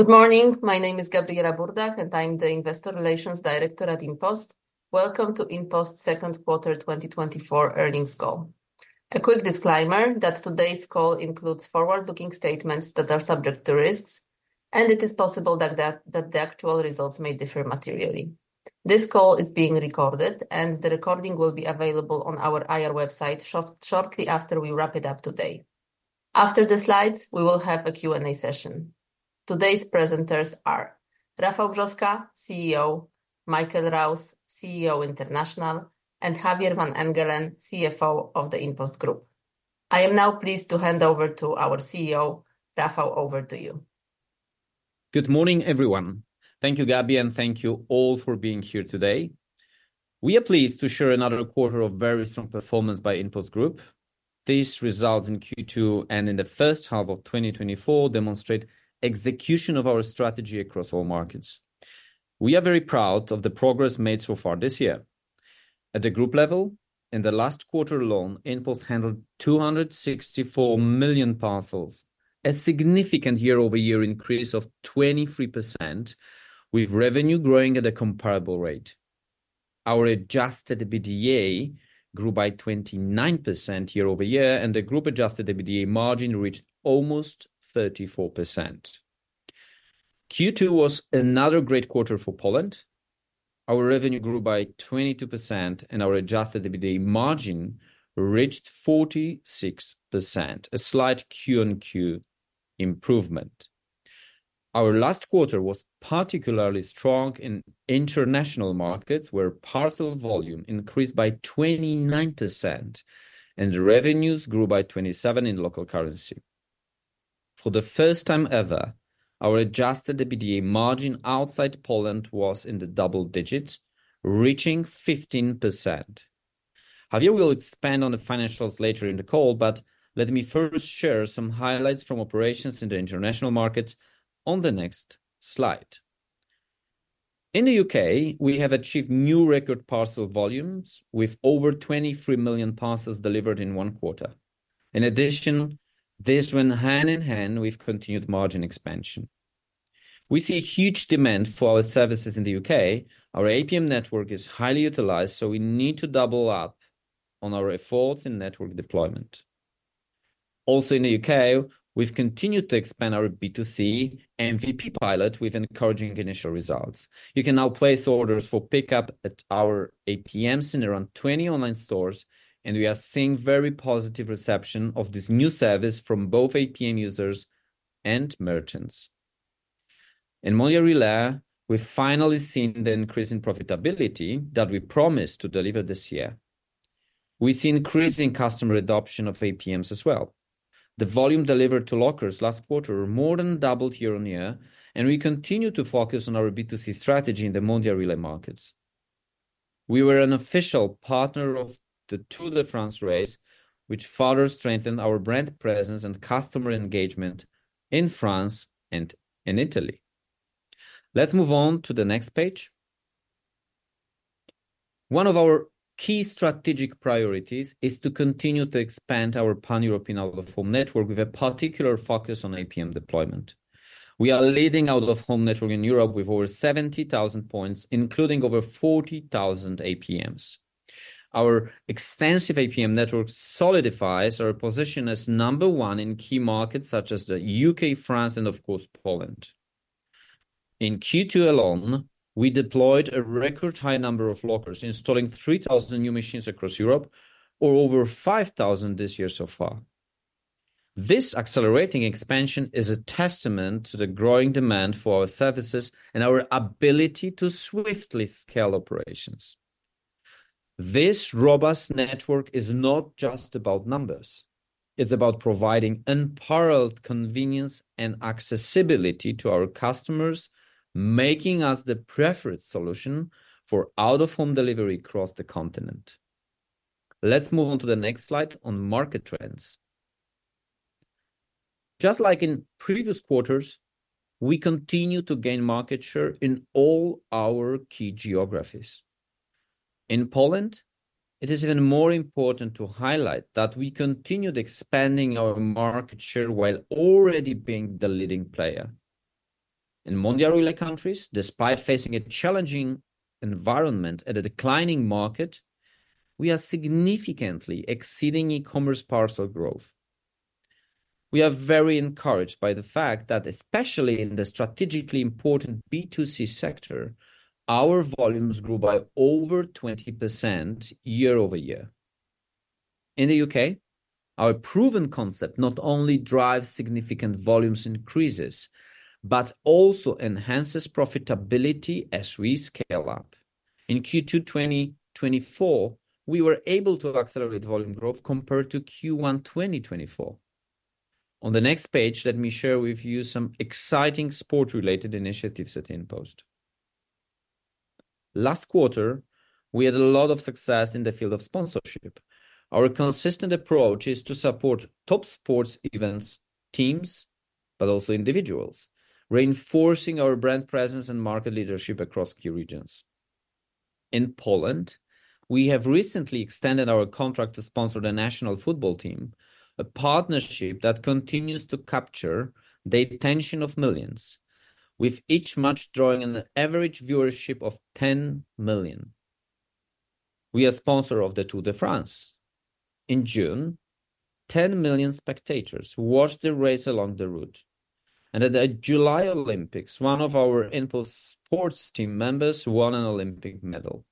Good morning. My name is Gabriela Burdach, and I'm the Investor Relations Director at InPost. Welcome to InPost's second quarter 2024 earnings call. A quick disclaimer that today's call includes forward-looking statements that are subject to risks, and it is possible that the actual results may differ materially. This call is being recorded, and the recording will be available on our IR website shortly after we wrap it up today. After the slides, we will have a Q&A session. Today's presenters are Rafał Brzoska, CEO, Michael Rouse, CEO International, and Javier van Engelen, CFO of the InPost Group. I am now pleased to hand over to our CEO. Rafał, over to you. Good morning, everyone. Thank you, Gabi, and thank you all for being here today. We are pleased to share another quarter of very strong performance by InPost Group. These results in Q2 and in the first half of 2024 demonstrate execution of our strategy across all markets. We are very proud of the progress made so far this year. At the group level, in the last quarter alone, InPost handled 264 million parcels, a significant year-over-year increase of 23%, with revenue growing at a comparable rate. Our Adjusted EBITDA grew by 29% year-over-year, and the group Adjusted EBITDA margin reached almost 34%. Q2 was another great quarter for Poland. Our revenue grew by 22%, and our Adjusted EBITDA margin reached 46%, a slight Q-on-Q improvement. Our last quarter was particularly strong in international markets, where parcel volume increased by 29% and revenues grew by 27% in local currency. For the first time ever, our Adjusted EBITDA margin outside Poland was in the double digits, reaching 15%. Javier will expand on the financials later in the call, but let me first share some highlights from operations in the international markets on the next slide. In the U.K., we have achieved new record parcel volumes, with over 23 million parcels delivered in one quarter. In addition, this went hand in hand with continued margin expansion. We see huge demand for our services in the U.K.. Our APM network is highly utilized, so we need to double up on our efforts in network deployment. Also in the U.K., we've continued to expand our B2C MVP pilot with encouraging initial results. You can now place orders for pickup at our APMs in around 20 online stores, and we are seeing very positive reception of this new service from both APM users and merchants. In Mondial Relay, we've finally seen the increase in profitability that we promised to deliver this year. We see increasing customer adoption of APMs as well. The volume delivered to lockers last quarter more than doubled year on year, and we continue to focus on our B2C strategy in the Mondial Relay markets. We were an official partner of the Tour de France race, which further strengthened our brand presence and customer engagement in France and in Italy. Let's move on to the next page. One of our key strategic priorities is to continue to expand our pan-European out-of-home network, with a particular focus on APM deployment. We are leading out-of-home network in Europe with over seventy thousand points, including over forty thousand APMs. Our extensive APM network solidifies our position as number one in key markets such as the U.K., France, and of course, Poland. In Q2 alone, we deployed a record high number of lockers, installing three thousand new machines across Europe or over five thousand this year so far. This accelerating expansion is a testament to the growing demand for our services and our ability to swiftly scale operations. This robust network is not just about numbers. It's about providing unparalleled convenience and accessibility to our customers, making us the preferred solution for out-of-home delivery across the continent. Let's move on to the next slide on market trends. Just like in previous quarters, we continue to gain market share in all our key geographies. In Poland, it is even more important to highlight that we continued expanding our market share while already being the leading player. In Mondial Relay countries, despite facing a challenging environment and a declining market, we are significantly exceeding e-commerce parcel growth. We are very encouraged by the fact that, especially in the strategically important B2C sector, our volumes grew by over 20% year-over-year. In the U.K., our proven concept not only drives significant volumes increases but also enhances profitability as we scale up. In Q2 2024, we were able to accelerate volume growth compared to Q1 2024. On the next page, let me share with you some exciting sport-related initiatives at InPost. Last quarter, we had a lot of success in the field of sponsorship. Our consistent approach is to support top sports events, teams, but also individuals, reinforcing our brand presence and market leadership across key regions... In Poland, we have recently extended our contract to sponsor the national football team, a partnership that continues to capture the attention of millions, with each match drawing an average viewership of 10 million. We are sponsor of the Tour de France. In June, 10 million spectators watched the race along the route, and at the July Olympics, one of our InPost sports team members won an Olympic medal.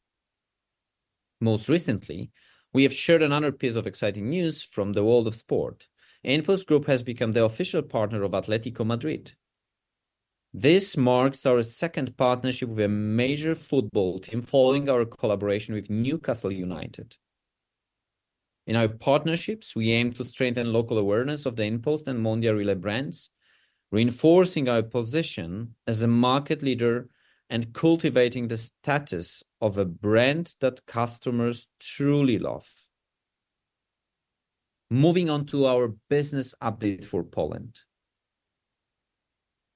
Most recently, we have shared another piece of exciting news from the world of sport. InPost Group has become the official partner of Atlético Madrid. This marks our second partnership with a major football team following our collaboration with Newcastle United. In our partnerships, we aim to strengthen local awareness of the InPost and Mondial Relay brands, reinforcing our position as a market leader and cultivating the status of a brand that customers truly love. Moving on to our business update for Poland.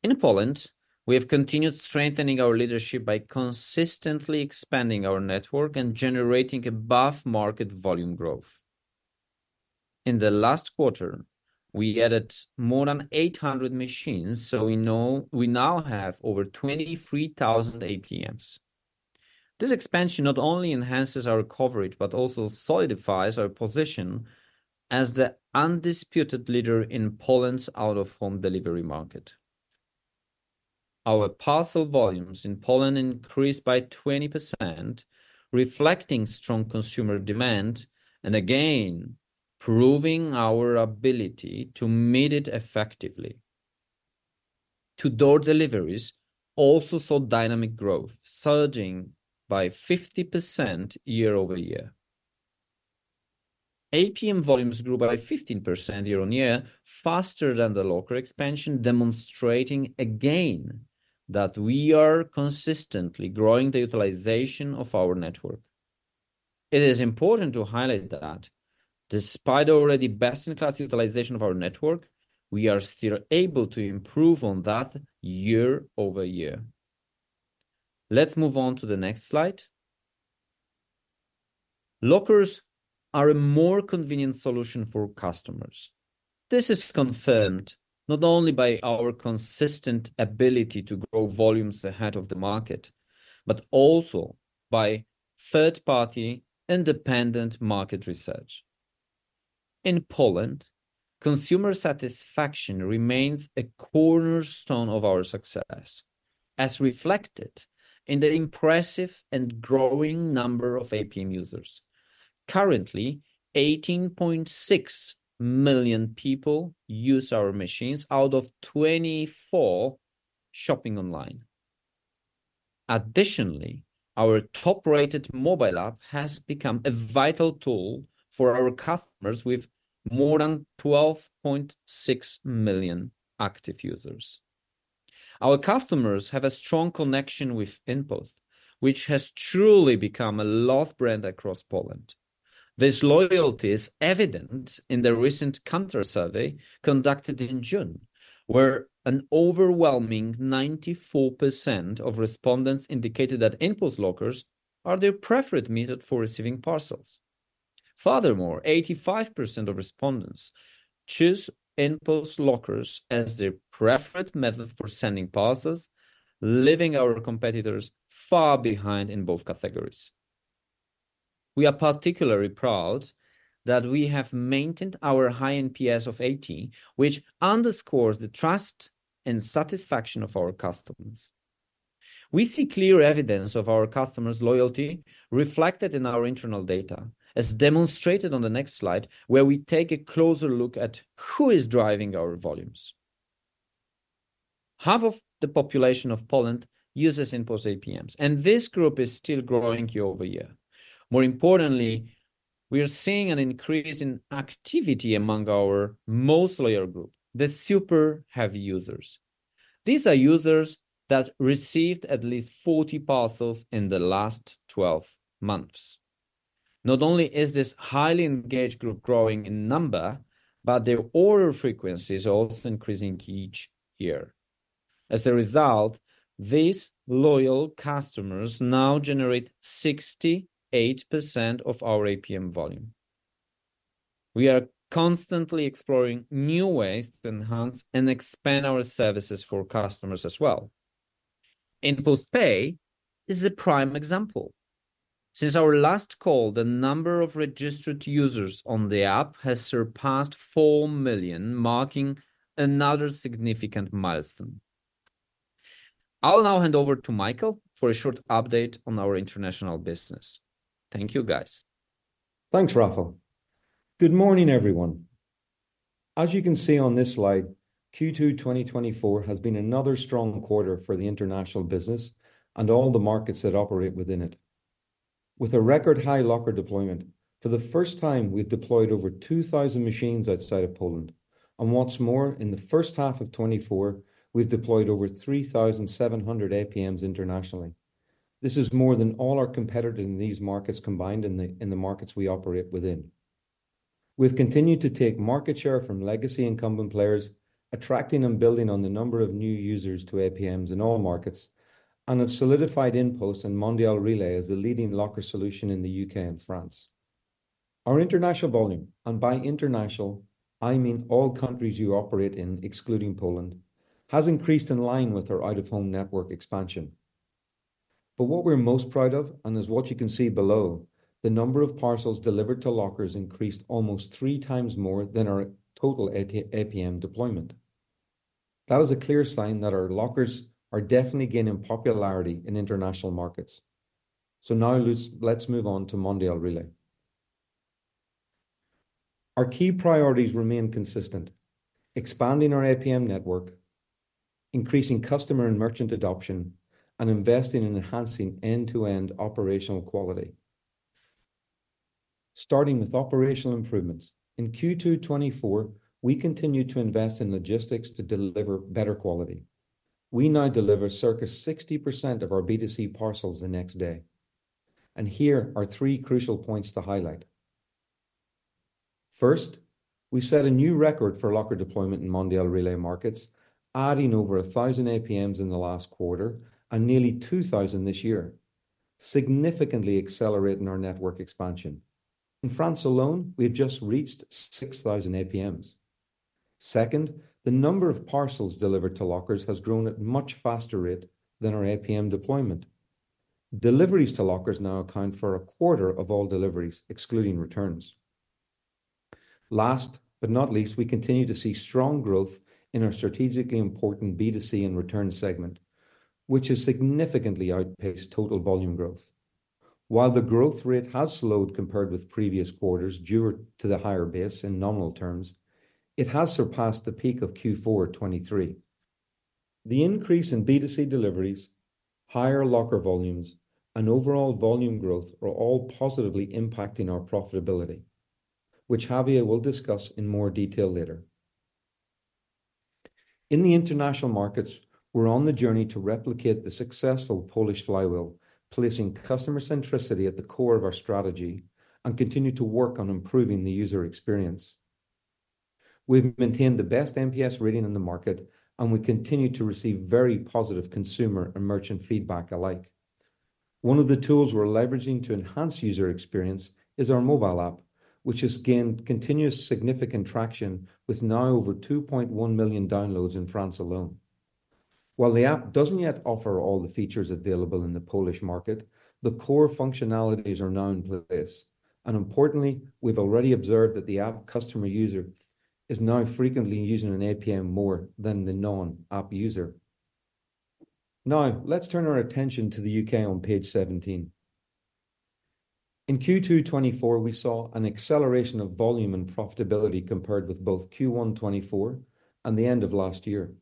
In Poland, we have continued strengthening our leadership by consistently expanding our network and generating above-market volume growth. In the last quarter, we added more than 800 machines, so we now have over 23,000 APMs. This expansion not only enhances our coverage, but also solidifies our position as the undisputed leader in Poland's out-of-home delivery market. Our parcel volumes in Poland increased by 20%, reflecting strong consumer demand and again proving our ability to meet it effectively. Door-to-door deliveries also saw dynamic growth, surging by 50% year-over-year. APM volumes grew by 15% year-on-year, faster than the locker expansion, demonstrating again that we are consistently growing the utilization of our network. It is important to highlight that despite already best-in-class utilization of our network, we are still able to improve on that year-over-year. Let's move on to the next slide. Lockers are a more convenient solution for customers. This is confirmed not only by our consistent ability to grow volumes ahead of the market, but also by third-party independent market research. In Poland, consumer satisfaction remains a cornerstone of our success, as reflected in the impressive and growing number of APM users. Currently, 18.6 million people use our machines out of 24 shopping online. Additionally, our top-rated mobile app has become a vital tool for our customers, with more than 12.6 million active users. Our customers have a strong connection with InPost, which has truly become a loved brand across Poland. This loyalty is evident in the recent Kantar survey conducted in June, where an overwhelming 94% of respondents indicated that InPost lockers are their preferred method for receiving parcels. Furthermore, 85% of respondents choose InPost lockers as their preferred method for sending parcels, leaving our competitors far behind in both categories. We are particularly proud that we have maintained our high NPS of 80, which underscores the trust and satisfaction of our customers. We see clear evidence of our customers' loyalty reflected in our internal data, as demonstrated on the next slide, where we take a closer look at who is driving our volumes. Half of the population of Poland uses InPost APMs, and this group is still growing year-over-year. More importantly, we are seeing an increase in activity among our most loyal group, the super-heavy users. These are users that received at least 40 parcels in the last 12 months. Not only is this highly engaged group growing in number, but their order frequency is also increasing each year. As a result, these loyal customers now generate 68% of our APM volume. We are constantly exploring new ways to enhance and expand our services for customers as well. InPost Pay is a prime example. Since our last call, the number of registered users on the app has surpassed 4 million, marking another significant milestone. I'll now hand over to Michael for a short update on our international business. Thank you, guys. Thanks, Rafał. Good morning, everyone. As you can see on this slide, Q2 2024 has been another strong quarter for the international business and all the markets that operate within it. With a record-high locker deployment, for the first time, we've deployed over two thousand machines outside of Poland. And what's more, in the first half of 2024, we've deployed over three thousand seven hundred APMs internationally. This is more than all our competitors in these markets combined in the markets we operate within.... We've continued to take market share from legacy incumbent players, attracting and building on the number of new users to APMs in all markets, and have solidified InPost and Mondial Relay as the leading locker solution in the U.K. and France. Our international volume, and by international, I mean all countries you operate in, excluding Poland, has increased in line with our out-of-home network expansion. But what we're most proud of, and as what you can see below, the number of parcels delivered to lockers increased almost three times more than our total APM deployment. That is a clear sign that our lockers are definitely gaining popularity in international markets. So now let's move on to Mondial Relay. Our key priorities remain consistent: expanding our APM network, increasing customer and merchant adoption, and investing in enhancing end-to-end operational quality. Starting with operational improvements, in Q2 2024, we continued to invest in logistics to deliver better quality. We now deliver circa 60% of our B2C parcels the next day, and here are three crucial points to highlight. First, we set a new record for locker deployment in Mondial Relay markets, adding over a thousand APMs in the last quarter and nearly two thousand this year, significantly accelerating our network expansion. In France alone, we have just reached six thousand APMs. Second, the number of parcels delivered to lockers has grown at a much faster rate than our APM deployment. Deliveries to lockers now account for a quarter of all deliveries, excluding returns. Last but not least, we continue to see strong growth in our strategically important B2C and returns segment, which has significantly outpaced total volume growth. While the growth rate has slowed compared with previous quarters due to the higher base in nominal terms, it has surpassed the peak of Q4 2023. The increase in B2C deliveries, higher locker volumes, and overall volume growth are all positively impacting our profitability, which Javier will discuss in more detail later. In the international markets, we're on the journey to replicate the successful Polish flywheel, placing customer centricity at the core of our strategy, and continue to work on improving the user experience. We've maintained the best NPS rating in the market, and we continue to receive very positive consumer and merchant feedback alike. One of the tools we're leveraging to enhance user experience is our mobile app, which has gained continuous significant traction, with now over 2.1 million downloads in France alone. While the app doesn't yet offer all the features available in the Polish market, the core functionalities are now in place, and importantly, we've already observed that the app customer user is now frequently using an APM more than the non-app user. Now, let's turn our attention to the U.K. on page 17. In Q2 2024, we saw an acceleration of volume and profitability compared with both Q1 2024 and the end of last year.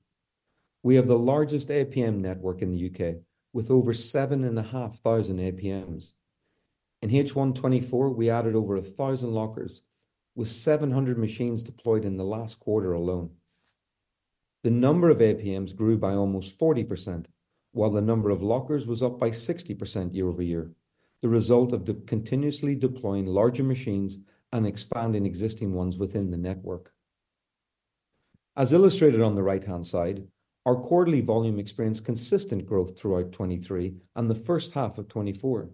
We have the largest APM network in the U.K., with over seven and a half thousand APMs. In H1 2024, we added over a thousand lockers, with seven hundred machines deployed in the last quarter alone. The number of APMs grew by almost 40%, while the number of lockers was up by 60% year-over-year, the result of the continuously deploying larger machines and expanding existing ones within the network. As illustrated on the right-hand side, our quarterly volume experienced consistent growth throughout 2023 and the first half of 2024.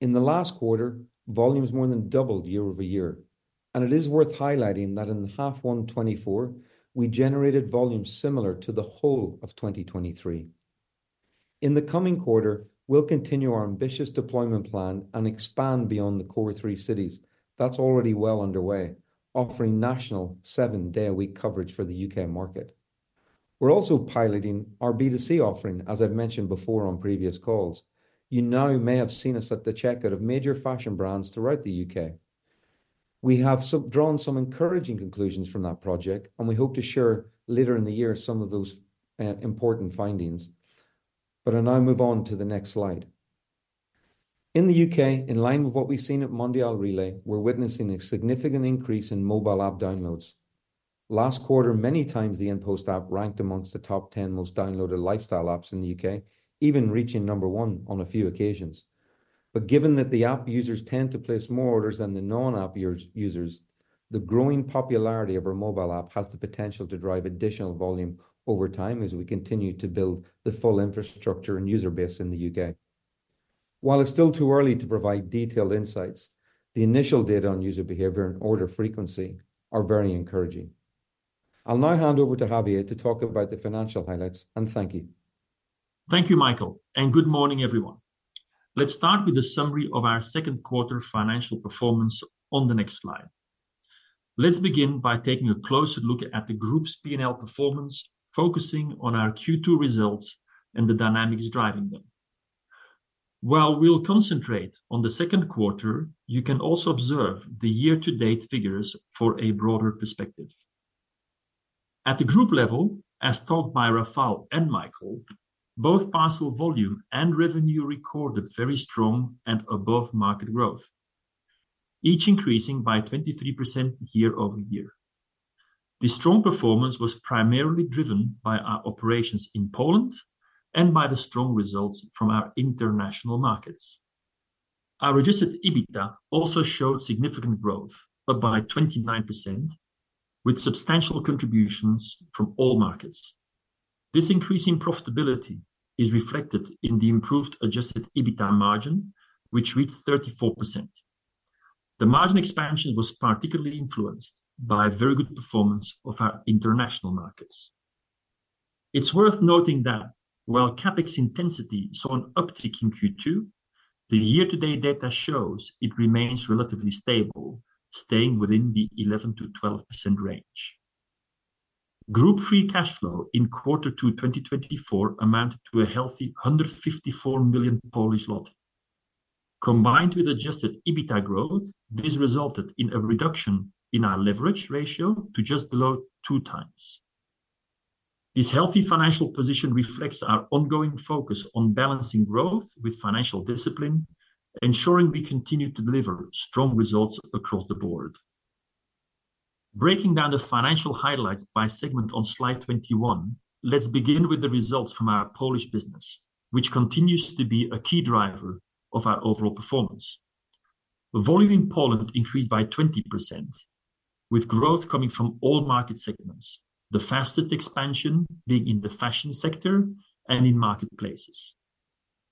In the last quarter, volumes more than doubled year-over-year, and it is worth highlighting that in the half one 2024, we generated volumes similar to the whole of 2023. In the coming quarter, we'll continue our ambitious deployment plan and expand beyond the core three cities. That's already well underway, offering national seven-day-a-week coverage for the U.K. market. We're also piloting our B2C offering, as I've mentioned before on previous calls. You now may have seen us at the checkout of major fashion brands throughout the U.K. We have drawn some encouraging conclusions from that project, and we hope to share later in the year some of those important findings. But I'll now move on to the next slide. In the U.K., in line with what we've seen at Mondial Relay, we're witnessing a significant increase in mobile app downloads. Last quarter, many times, the InPost app ranked amongst the top ten most downloaded lifestyle apps in the U.K., even reaching number one on a few occasions. But given that the app users tend to place more orders than the non-app users, the growing popularity of our mobile app has the potential to drive additional volume over time as we continue to build the full infrastructure and user base in the U.K. While it's still too early to provide detailed insights, the initial data on user behavior and order frequency are very encouraging. I'll now hand over to Javier to talk about the financial highlights, and thank you. Thank you, Michael, and good morning, everyone. Let's start with a summary of our second quarter financial performance on the next slide. Let's begin by taking a closer look at the group's P&L performance, focusing on our Q2 results and the dynamics driving them. While we'll concentrate on the second quarter, you can also observe the year-to-date figures for a broader perspective. At the group level, as told by Rafał and Michael, both parcel volume and revenue recorded very strong and above-market growth, each increasing by 23% year-over-year.... The strong performance was primarily driven by our operations in Poland and by the strong results from our international markets. Our Adjusted EBITDA also showed significant growth, up by 29%, with substantial contributions from all markets. This increase in profitability is reflected in the improved Adjusted EBITDA margin, which reached 34%. The margin expansion was particularly influenced by very good performance of our international markets. It's worth noting that while CapEx intensity saw an uptick in Q2, the year-to-date data shows it remains relatively stable, staying within the 11%-12% range. Group free cash flow in quarter two, 2024, amounted to a healthy 154 million. Combined with Adjusted EBITDA growth, this resulted in a reduction in our leverage ratio to just below two times. This healthy financial position reflects our ongoing focus on balancing growth with financial discipline, ensuring we continue to deliver strong results across the board. Breaking down the financial highlights by segment on slide 21, let's begin with the results from our Polish business, which continues to be a key driver of our overall performance. The volume in Poland increased by 20%, with growth coming from all market segments, the fastest expansion being in the fashion sector and in marketplaces.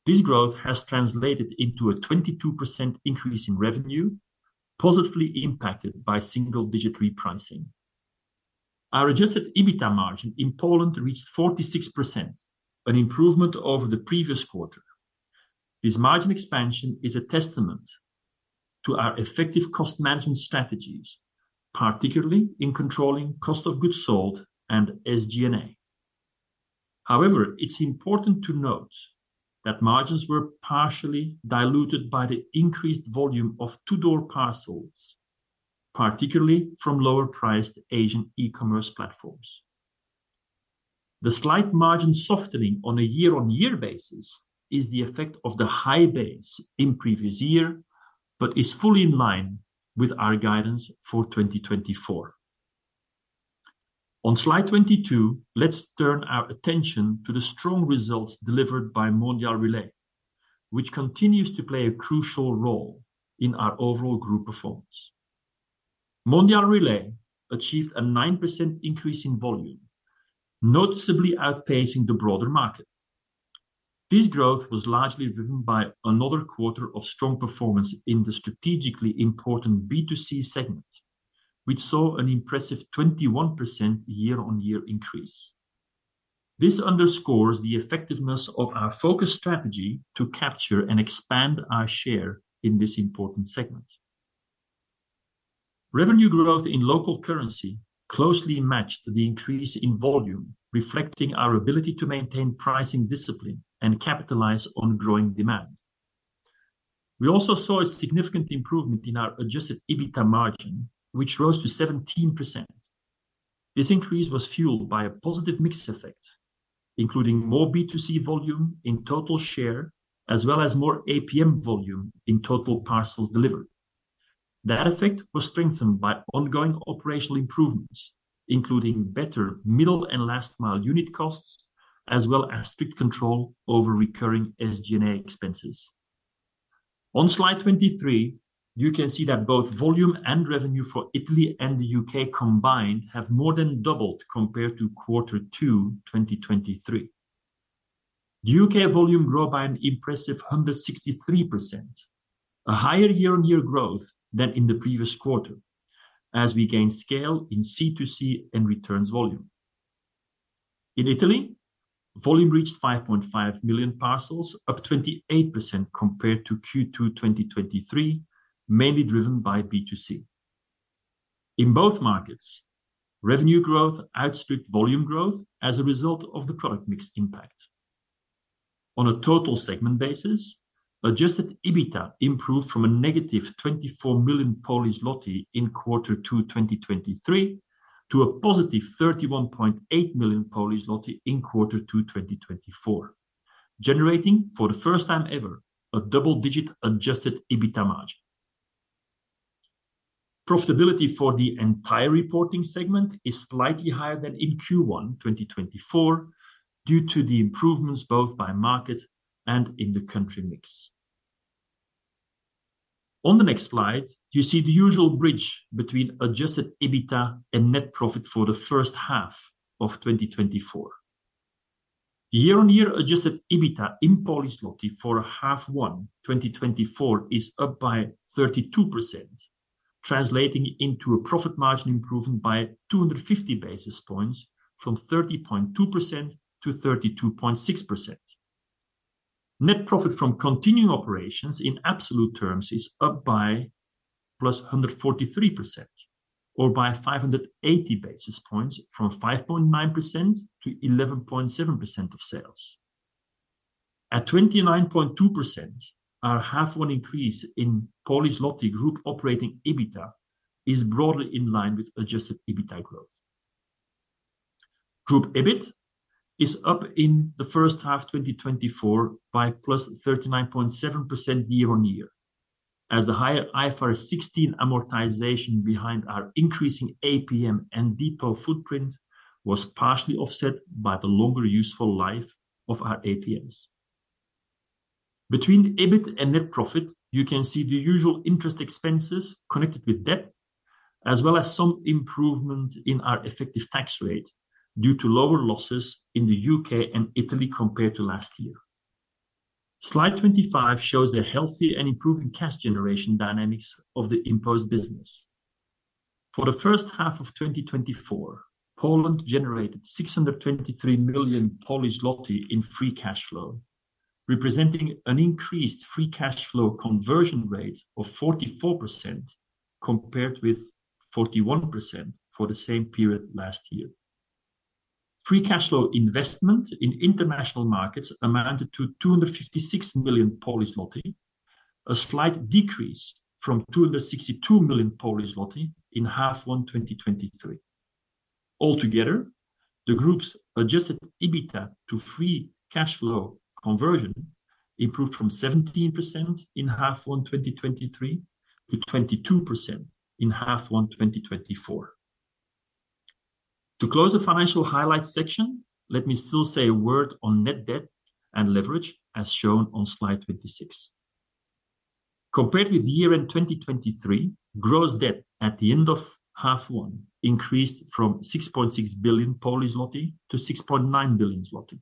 This growth has translated into a 22% increase in revenue, positively impacted by single-digit repricing. Our Adjusted EBITDA margin in Poland reached 46%, an improvement over the previous quarter. This margin expansion is a testament to our effective cost management strategies, particularly in controlling cost of goods sold and SG&A. However, it's important to note that margins were partially diluted by the increased volume of door-to-door parcels, particularly from lower-priced Asian e-commerce platforms. The slight margin softening on a year-on-year basis is the effect of the high base in previous year, but is fully in line with our guidance for 2024. On slide 22, let's turn our attention to the strong results delivered by Mondial Relay, which continues to play a crucial role in our overall group performance. Mondial Relay achieved a 9% increase in volume, noticeably outpacing the broader market. This growth was largely driven by another quarter of strong performance in the strategically important B2C segment, which saw an impressive 21% year-on-year increase. This underscores the effectiveness of our focused strategy to capture and expand our share in this important segment. Revenue growth in local currency closely matched the increase in volume, reflecting our ability to maintain pricing discipline and capitalize on growing demand. We also saw a significant improvement in our Adjusted EBITDA margin, which rose to 17%. This increase was fueled by a positive mix effect, including more B2C volume in total share, as well as more APM volume in total parcels delivered. That effect was strengthened by ongoing operational improvements, including better middle and last-mile unit costs, as well as strict control over recurring SG&A expenses. On slide 23, you can see that both volume and revenue for Italy and the U.K. combined have more than doubled compared to quarter two, 2023. U.K. volume grew by an impressive 163%, a higher year-on-year growth than in the previous quarter, as we gained scale in C2C and returns volume. In Italy, volume reached 5.5 million parcels, up 28% compared to Q2 2023, mainly driven by B2C. In both markets, revenue growth outstripped volume growth as a result of the product mix impact. On a total segment basis, Adjusted EBITDA improved from a negative 24 million in quarter two 2023 to a +31.8 million in quarter two 2024, generating, for the first time ever, a double-digit Adjusted EBITDA margin. Profitability for the entire reporting segment is slightly higher than in Q1 2024 due to the improvements both by market and in the country mix. On the next slide, you see the usual bridge between Adjusted EBITDA and net profit for the first half of 2024. Year-on-year Adjusted EBITDA in Polish zloty for H1 2024 is up by 32%, translating into a profit margin improvement by two hundred and fifty basis points from 30.2% to 32.6%. Net profit from continuing operations in absolute terms is up by +143%, or by 580 basis points from 5.9% to 11.7% of sales. At 29.2%, our H1 increase in Polish zloty group operating EBITDA is broadly in line with Adjusted EBITDA growth. Group EBIT is up in the first half 2024 by +39.7% year on year, as the higher IFRS 16 amortization behind our increasing APM and depot footprint was partially offset by the longer useful life of our APMs. Between EBIT and net profit, you can see the usual interest expenses connected with debt, as well as some improvement in our effective tax rate due to lower losses in the U.K. and Italy compared to last year. Slide 25 shows the healthy and improving cash generation dynamics of the InPost business. For the first half of 2024, Poland generated 623 million in free cash flow, representing an increased free cash flow conversion rate of 44%, compared with 41% for the same period last year. Free cash flow investment in international markets amounted to 256 million, a slight decrease from 262 million in half one 2023. Altogether, the group's Adjusted EBITDA to free cash flow conversion improved from 17% in half one 2023 to 22% in half one 2024. To close the financial highlights section, let me still say a word on net debt and leverage, as shown on slide 26. Compared with year-end 2023, gross debt at the end of first half increased from 6.6 billion zloty to 6.9 billion zloty,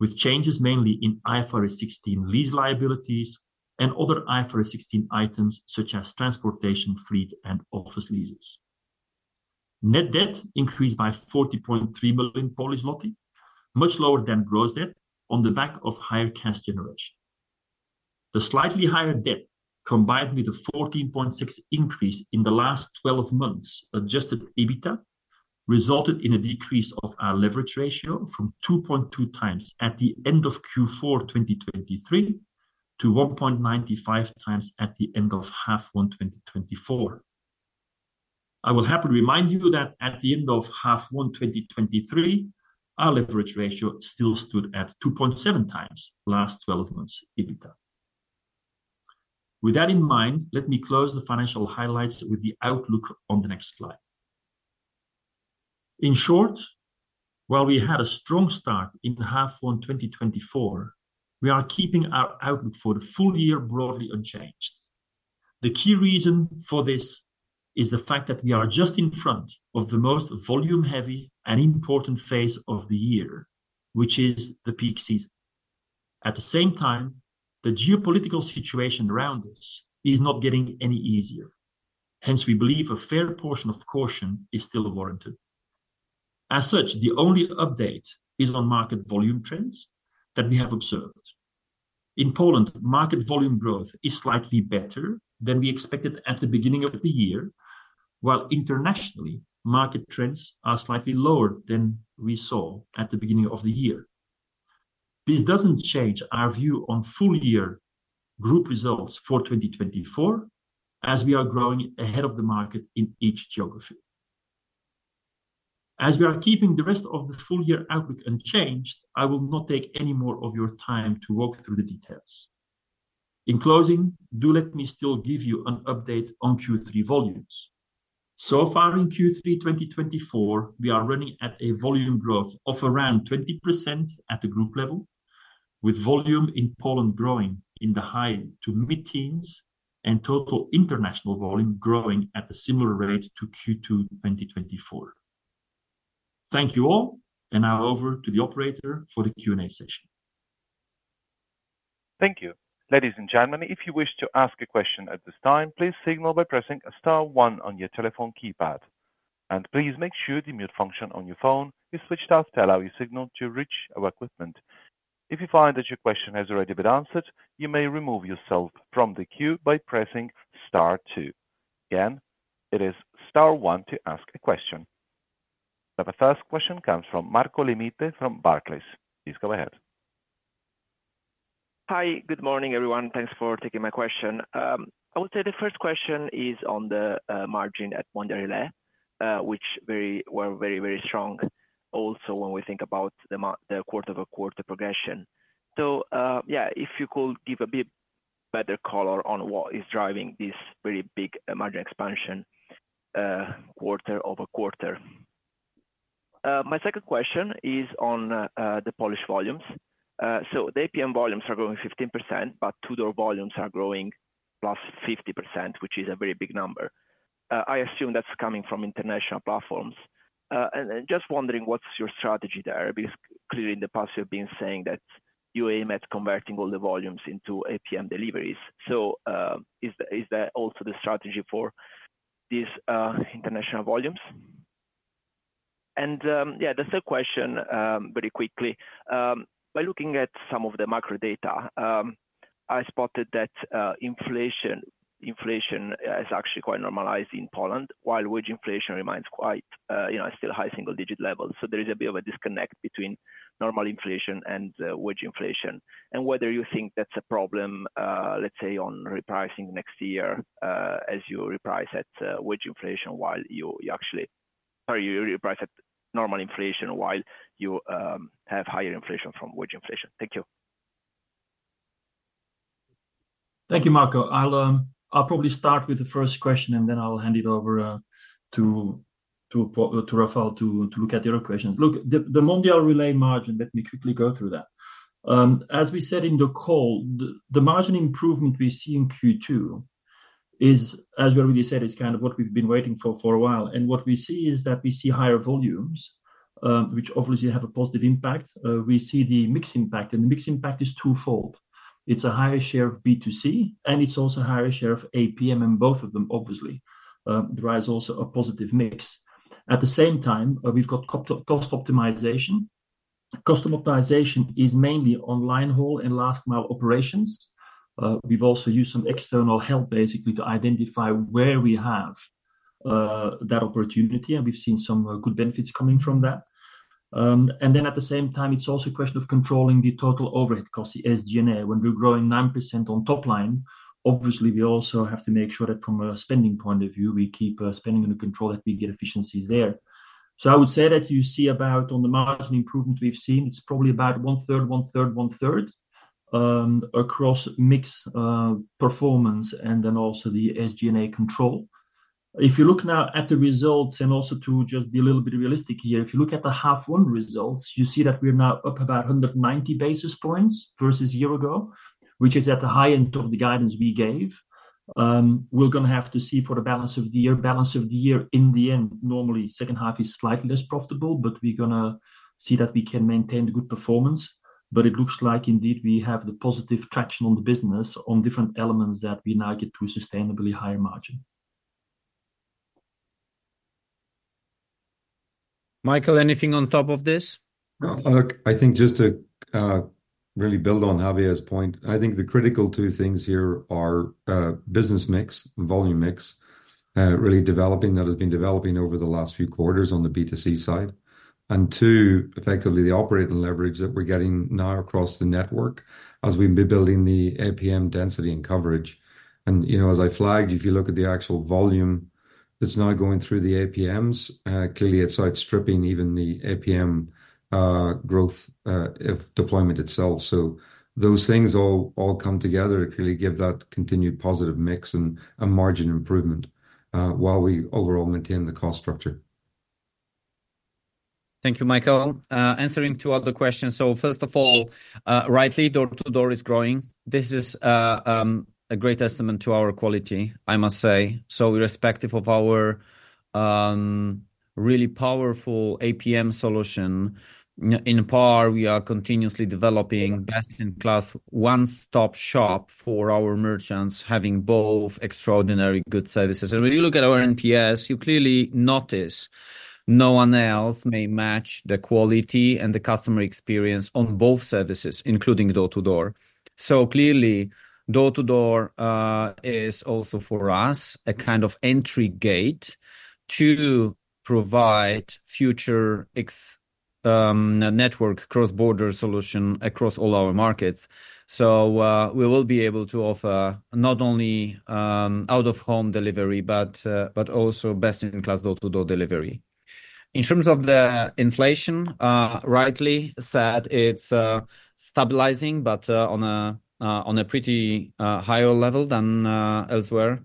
with changes mainly in IFRS 16 lease liabilities and other IFRS 16 items such as transportation, fleet, and office leases. Net debt increased by 40.3 million, much lower than gross debt on the back of higher cash generation. The slightly higher debt, combined with a 14.6 increase in the last twelve months Adjusted EBITDA, resulted in a decrease of our leverage ratio from 2.2 times at the end of Q4 2023 to 1.95 times at the end of first half 2024. I will have to remind you that at the end of first half 2023, our leverage ratio still stood at 2.7 times last twelve months EBITDA. With that in mind, let me close the financial highlights with the outlook on the next slide. In short, while we had a strong start in half one, 2024, we are keeping our outlook for the full year broadly unchanged. The key reason for this is the fact that we are just in front of the most volume-heavy and important phase of the year, which is the peak season. At the same time, the geopolitical situation around us is not getting any easier. Hence, we believe a fair portion of caution is still warranted. As such, the only update is on market volume trends that we have observed. In Poland, market volume growth is slightly better than we expected at the beginning of the year, while internationally, market trends are slightly lower than we saw at the beginning of the year. This doesn't change our view on full year group results for 2024, as we are growing ahead of the market in each geography. As we are keeping the rest of the full year outlook unchanged, I will not take any more of your time to walk through the details. In closing, do let me still give you an update on Q3 volumes. So far in Q3, 2024, we are running at a volume growth of around 20% at the group level, with volume in Poland growing in the high to mid-teens and total international volume growing at a similar rate to Q2, 2024. Thank you all, and now over to the operator for the Q&A session. Thank you. Ladies and gentlemen, if you wish to ask a question at this time, please signal by pressing star one on your telephone keypad, and please make sure the mute function on your phone is switched off to allow your signal to reach our equipment. If you find that your question has already been answered, you may remove yourself from the queue by pressing star two. Again, it is star one to ask a question. Now, the first question comes from Marco Limite from Barclays. Please go ahead. Hi. Good morning, everyone. Thanks for taking my question. I would say the first question is on the margin at Mondial Relay, which were very, very strong also when we think about the quarter-over-quarter progression. So, yeah, if you could give a bit better color on what is driving this very big margin expansion, quarter-over-quarter. My second question is on the Polish volumes. So the APM volumes are growing 15%, but door-to-door volumes are growing +50%, which is a very big number. I assume that's coming from international platforms. And just wondering, what's your strategy there? Because clearly, in the past, you've been saying that you aim at converting all the volumes into APM deliveries. So, is that also the strategy for these international volumes? Yeah, the third question, very quickly. By looking at some of the macro data, I spotted that inflation is actually quite normalized in Poland, while wage inflation remains quite you know still high single digit levels. So there is a bit of a disconnect between normal inflation and wage inflation, and whether you think that's a problem, let's say, on repricing next year, as you reprice at wage inflation, while you actually or you reprice at normal inflation while you have higher inflation from wage inflation? Thank you.... Thank you, Marco. I'll probably start with the first question, and then I'll hand it over to Rafał to look at the other questions. Look, the Mondial Relay margin, let me quickly go through that. As we said in the call, the margin improvement we see in Q2 is, as we already said, kind of what we've been waiting for a while. And what we see is that we see higher volumes, which obviously have a positive impact. We see the mix impact, and the mix impact is twofold. It's a higher share of B2C, and it's also a higher share of APM, and both of them, obviously, derives also a positive mix. At the same time, we've got cost optimization. Cost optimization is mainly on line haul and last mile operations. We've also used some external help, basically, to identify where we have that opportunity, and we've seen some good benefits coming from that, and then at the same time, it's also a question of controlling the total overhead cost, the SG&A. When we're growing 9% on top line, obviously, we also have to make sure that from a spending point of view, we keep spending under control, that we get efficiencies there, so I would say that you see about, on the margin improvement we've seen, it's probably about one third, one third, one third, across mix, performance, and then also the SG&A control. If you look now at the results, and also to just be a little bit realistic here, if you look at the half one results, you see that we're now up about hundred and ninety basis points versus a year ago, which is at the high end of the guidance we gave. We're gonna have to see for the balance of the year. Balance of the year, in the end, normally, second half is slightly less profitable, but we're gonna see that we can maintain the good performance. But it looks like indeed, we have the positive traction on the business on different elements that we now get to a sustainably higher margin. Michael, anything on top of this? Well, look, I think just to really build on Javier's point, I think the critical two things here are business mix, volume mix really developing, that has been developing over the last few quarters on the B2C side. And two, effectively, the operating leverage that we're getting now across the network as we've been building the APM density and coverage. And, you know, as I flagged, if you look at the actual volume that's now going through the APMs, clearly, it's outstripping even the APM growth of deployment itself. So those things all come together to clearly give that continued positive mix and margin improvement while we overall maintain the cost structure. Thank you, Michael. Answering two other questions, first of all, rightly, door-to-door is growing. This is a great testament to our quality, I must say, irrespective of our really powerful APM solution, in particular, we are continuously developing best-in-class one-stop shop for our merchants, having both extraordinary good services when you look at our NPS, you clearly notice no one else may match the quality and the customer experience on both services, including door-to-door. Clearly, door-to-door is also for us a kind of entry gate to provide future network cross-border solution across all our markets, so we will be able to offer not only out-of-home delivery, but also best-in-class door-to-door delivery. In terms of the inflation, rightly said, it's stabilizing, but on a pretty higher level than elsewhere.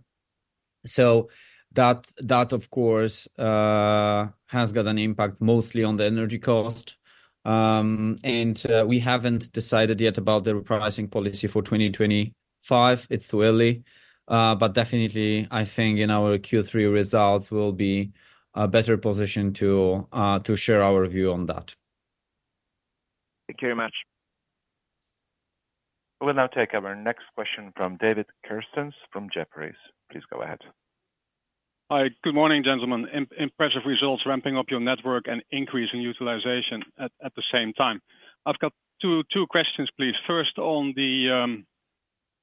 So that, of course, has got an impact mostly on the energy cost, and we haven't decided yet about the repricing policy for 2025. It's too early, but definitely, I think in our Q3 results, we'll be a better position to share our view on that. Thank you very much. We will now take our next question from David Kerstens from Jefferies. Please go ahead. Hi. Good morning, gentlemen. Impressive results, ramping up your network and increasing utilization at the same time. I've got two questions, please. First, on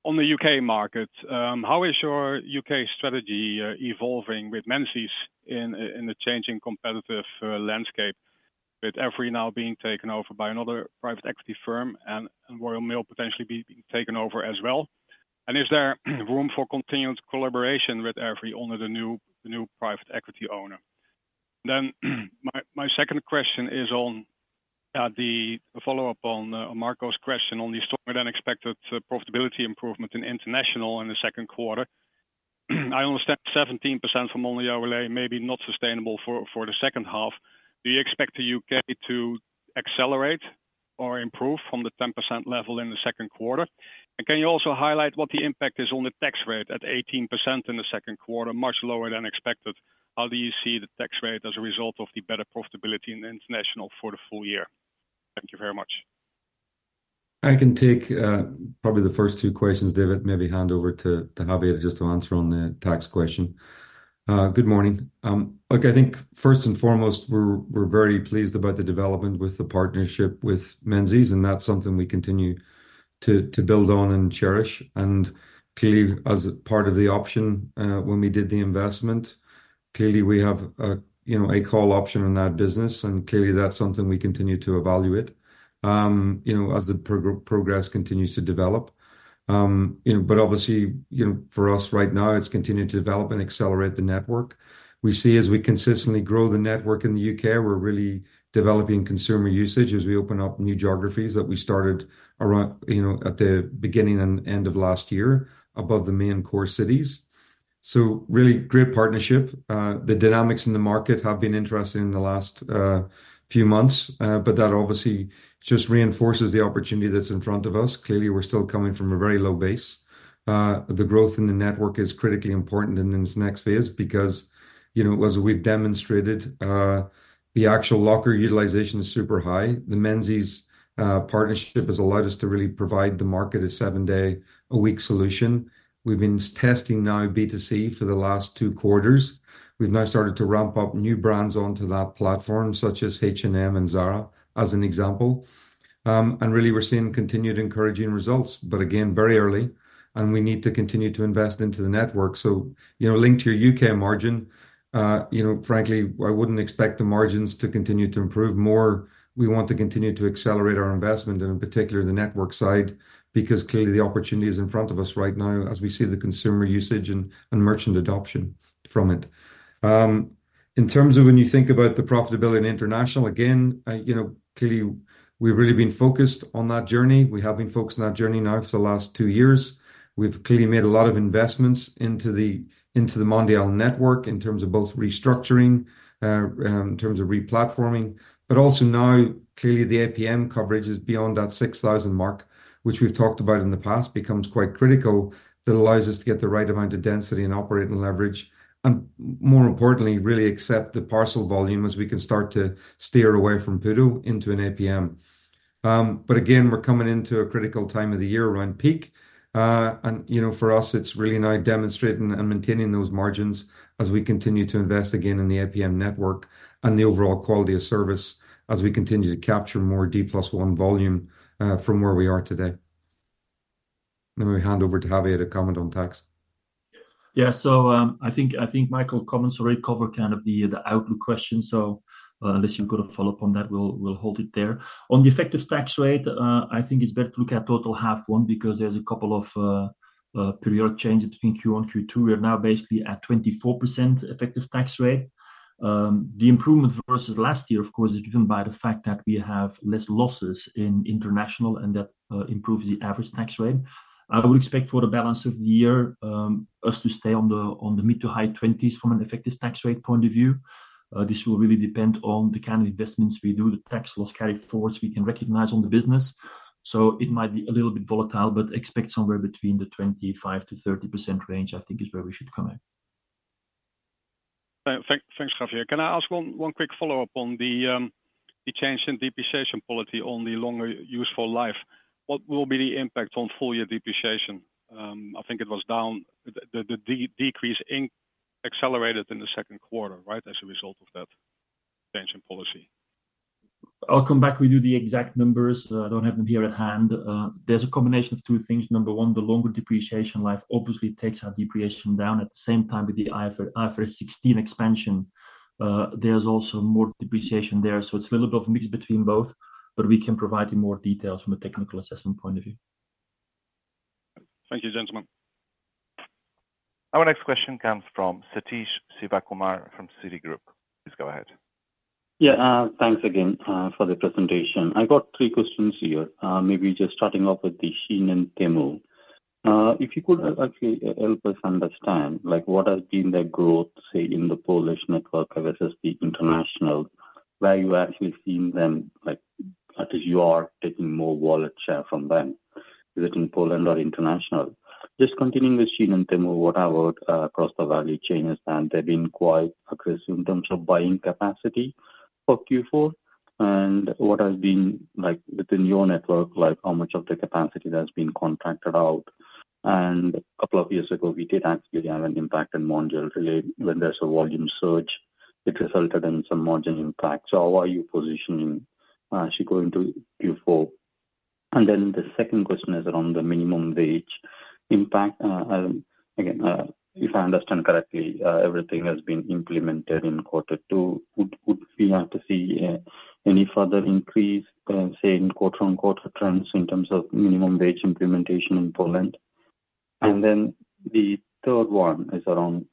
the U.K. market, how is your U.K. strategy evolving with Menzies in the changing competitive landscape, with Evri now being taken over by another private equity firm and Royal Mail potentially being taken over as well? And is there room for continued collaboration with Evri owner, the new private equity owner? Then, my second question is on the follow-up on Marco's question on the stronger-than-expected profitability improvement in international in the second quarter. I understand 17% from only overlay may be not sustainable for the second half. Do you expect the U.K. to accelerate or improve from the 10% level in the second quarter? And can you also highlight what the impact is on the tax rate at 18% in the second quarter, much lower than expected? How do you see the tax rate as a result of the better profitability in the international for the full year? Thank you very much. I can take probably the first two questions, David, maybe hand over to Javier, just to answer on the tax question. Good morning. Look, I think first and foremost, we're very pleased about the development with the partnership with Menzies, and that's something we continue to build on and cherish. Clearly, as a part of the option, when we did the investment, we have a call option on that business, and that's something we continue to evaluate, you know, as the progress continues to develop. You know, but obviously, for us right now, it's continuing to develop and accelerate the network. We see as we consistently grow the network in the U.K., we're really developing consumer usage as we open up new geographies that we started around, you know, at the beginning and end of last year, above the main core cities. So really great partnership. The dynamics in the market have been interesting in the last few months, but that obviously just reinforces the opportunity that's in front of us. Clearly, we're still coming from a very low base. The growth in the network is critically important in this next phase because, you know, as we've demonstrated, the actual locker utilization is super high. The Menzies partnership has allowed us to really provide the market a seven day a week solution. We've been testing now B2C for the last two quarters. We've now started to ramp up new brands onto that platform, such as H&M and Zara, as an example, and really, we're seeing continued encouraging results, but again, very early, and we need to continue to invest into the network, so you know, linked to your U.K. margin, you know, frankly, I wouldn't expect the margins to continue to improve more. We want to continue to accelerate our investment and in particular, the network side, because clearly the opportunity is in front of us right now as we see the consumer usage and merchant adoption from it, in terms of when you think about the profitability in international, again, you know, clearly we've really been focused on that journey. We have been focused on that journey now for the last two years. We've clearly made a lot of investments into the Mondial network in terms of both restructuring in terms of re-platforming. But also now, clearly, the APM coverage is beyond that six thousand mark, which we've talked about in the past, becomes quite critical. That allows us to get the right amount of density and operating leverage, and more importantly, really accept the parcel volume as we can start to steer away from PUDO into an APM. But again, we're coming into a critical time of the year around peak. And, you know, for us, it's really now demonstrating and maintaining those margins as we continue to invest again in the APM network and the overall quality of service as we continue to capture more D+1 volume from where we are today. Let me hand over to Javier to comment on tax. Yeah. So, I think Michael's comments already covered kind of the outlook question. So, unless you've got a follow-up on that, we'll hold it there. On the effective tax rate, I think it's better to look at total half one, because there's a couple of periodic changes between Q1, Q2. We are now basically at 24% effective tax rate. The improvement versus last year, of course, is driven by the fact that we have less losses in international and that improves the average tax rate. I would expect for the balance of the year, us to stay on the mid to high twenties from an effective tax rate point of view. This will really depend on the kind of investments we do, the tax loss carry forwards we can recognize on the business. So it might be a little bit volatile, but expect somewhere between the 25%-30% range, I think is where we should come in. Thanks, Javier. Can I ask one quick follow-up on the change in depreciation policy on the longer useful life? What will be the impact on full year depreciation? I think it was down, the decrease in accelerated in the second quarter, right? As a result of that change in policy. I'll come back with you, the exact numbers. I don't have them here at hand. There's a combination of two things. Number one, the longer depreciation life obviously takes our depreciation down. At the same time, with the IFRS 16 expansion, there's also more depreciation there. So it's a little bit of a mix between both, but we can provide you more details from a technical assessment point of view. Thank you, gentlemen. Our next question comes from Sathish Sivakumar from Citigroup. Please go ahead. Yeah, thanks again for the presentation. I've got three questions here. Maybe just starting off with the Shein and Temu. If you could actually help us understand, like, what has been the growth, say, in the Polish network versus the international? Where are you actually seeing them, like, as you are taking more wallet share from them, is it in Poland or international? Just continuing with Shein and Temu, what about across the value chain? I understand they've been quite aggressive in terms of buying capacity for Q4, and what has been like within your network, like how much of the capacity that's been contracted out? And a couple of years ago, we did actually have an impact on margin, really, when there's a volume surge, it resulted in some margin impact. So how are you positioning as you go into Q4? And then the second question is around the minimum wage impact. Again, if I understand correctly, everything has been implemented in quarter two. Would we have to see any further increase, say, in quarter on quarter trends in terms of minimum wage implementation in Poland? And then the third one is around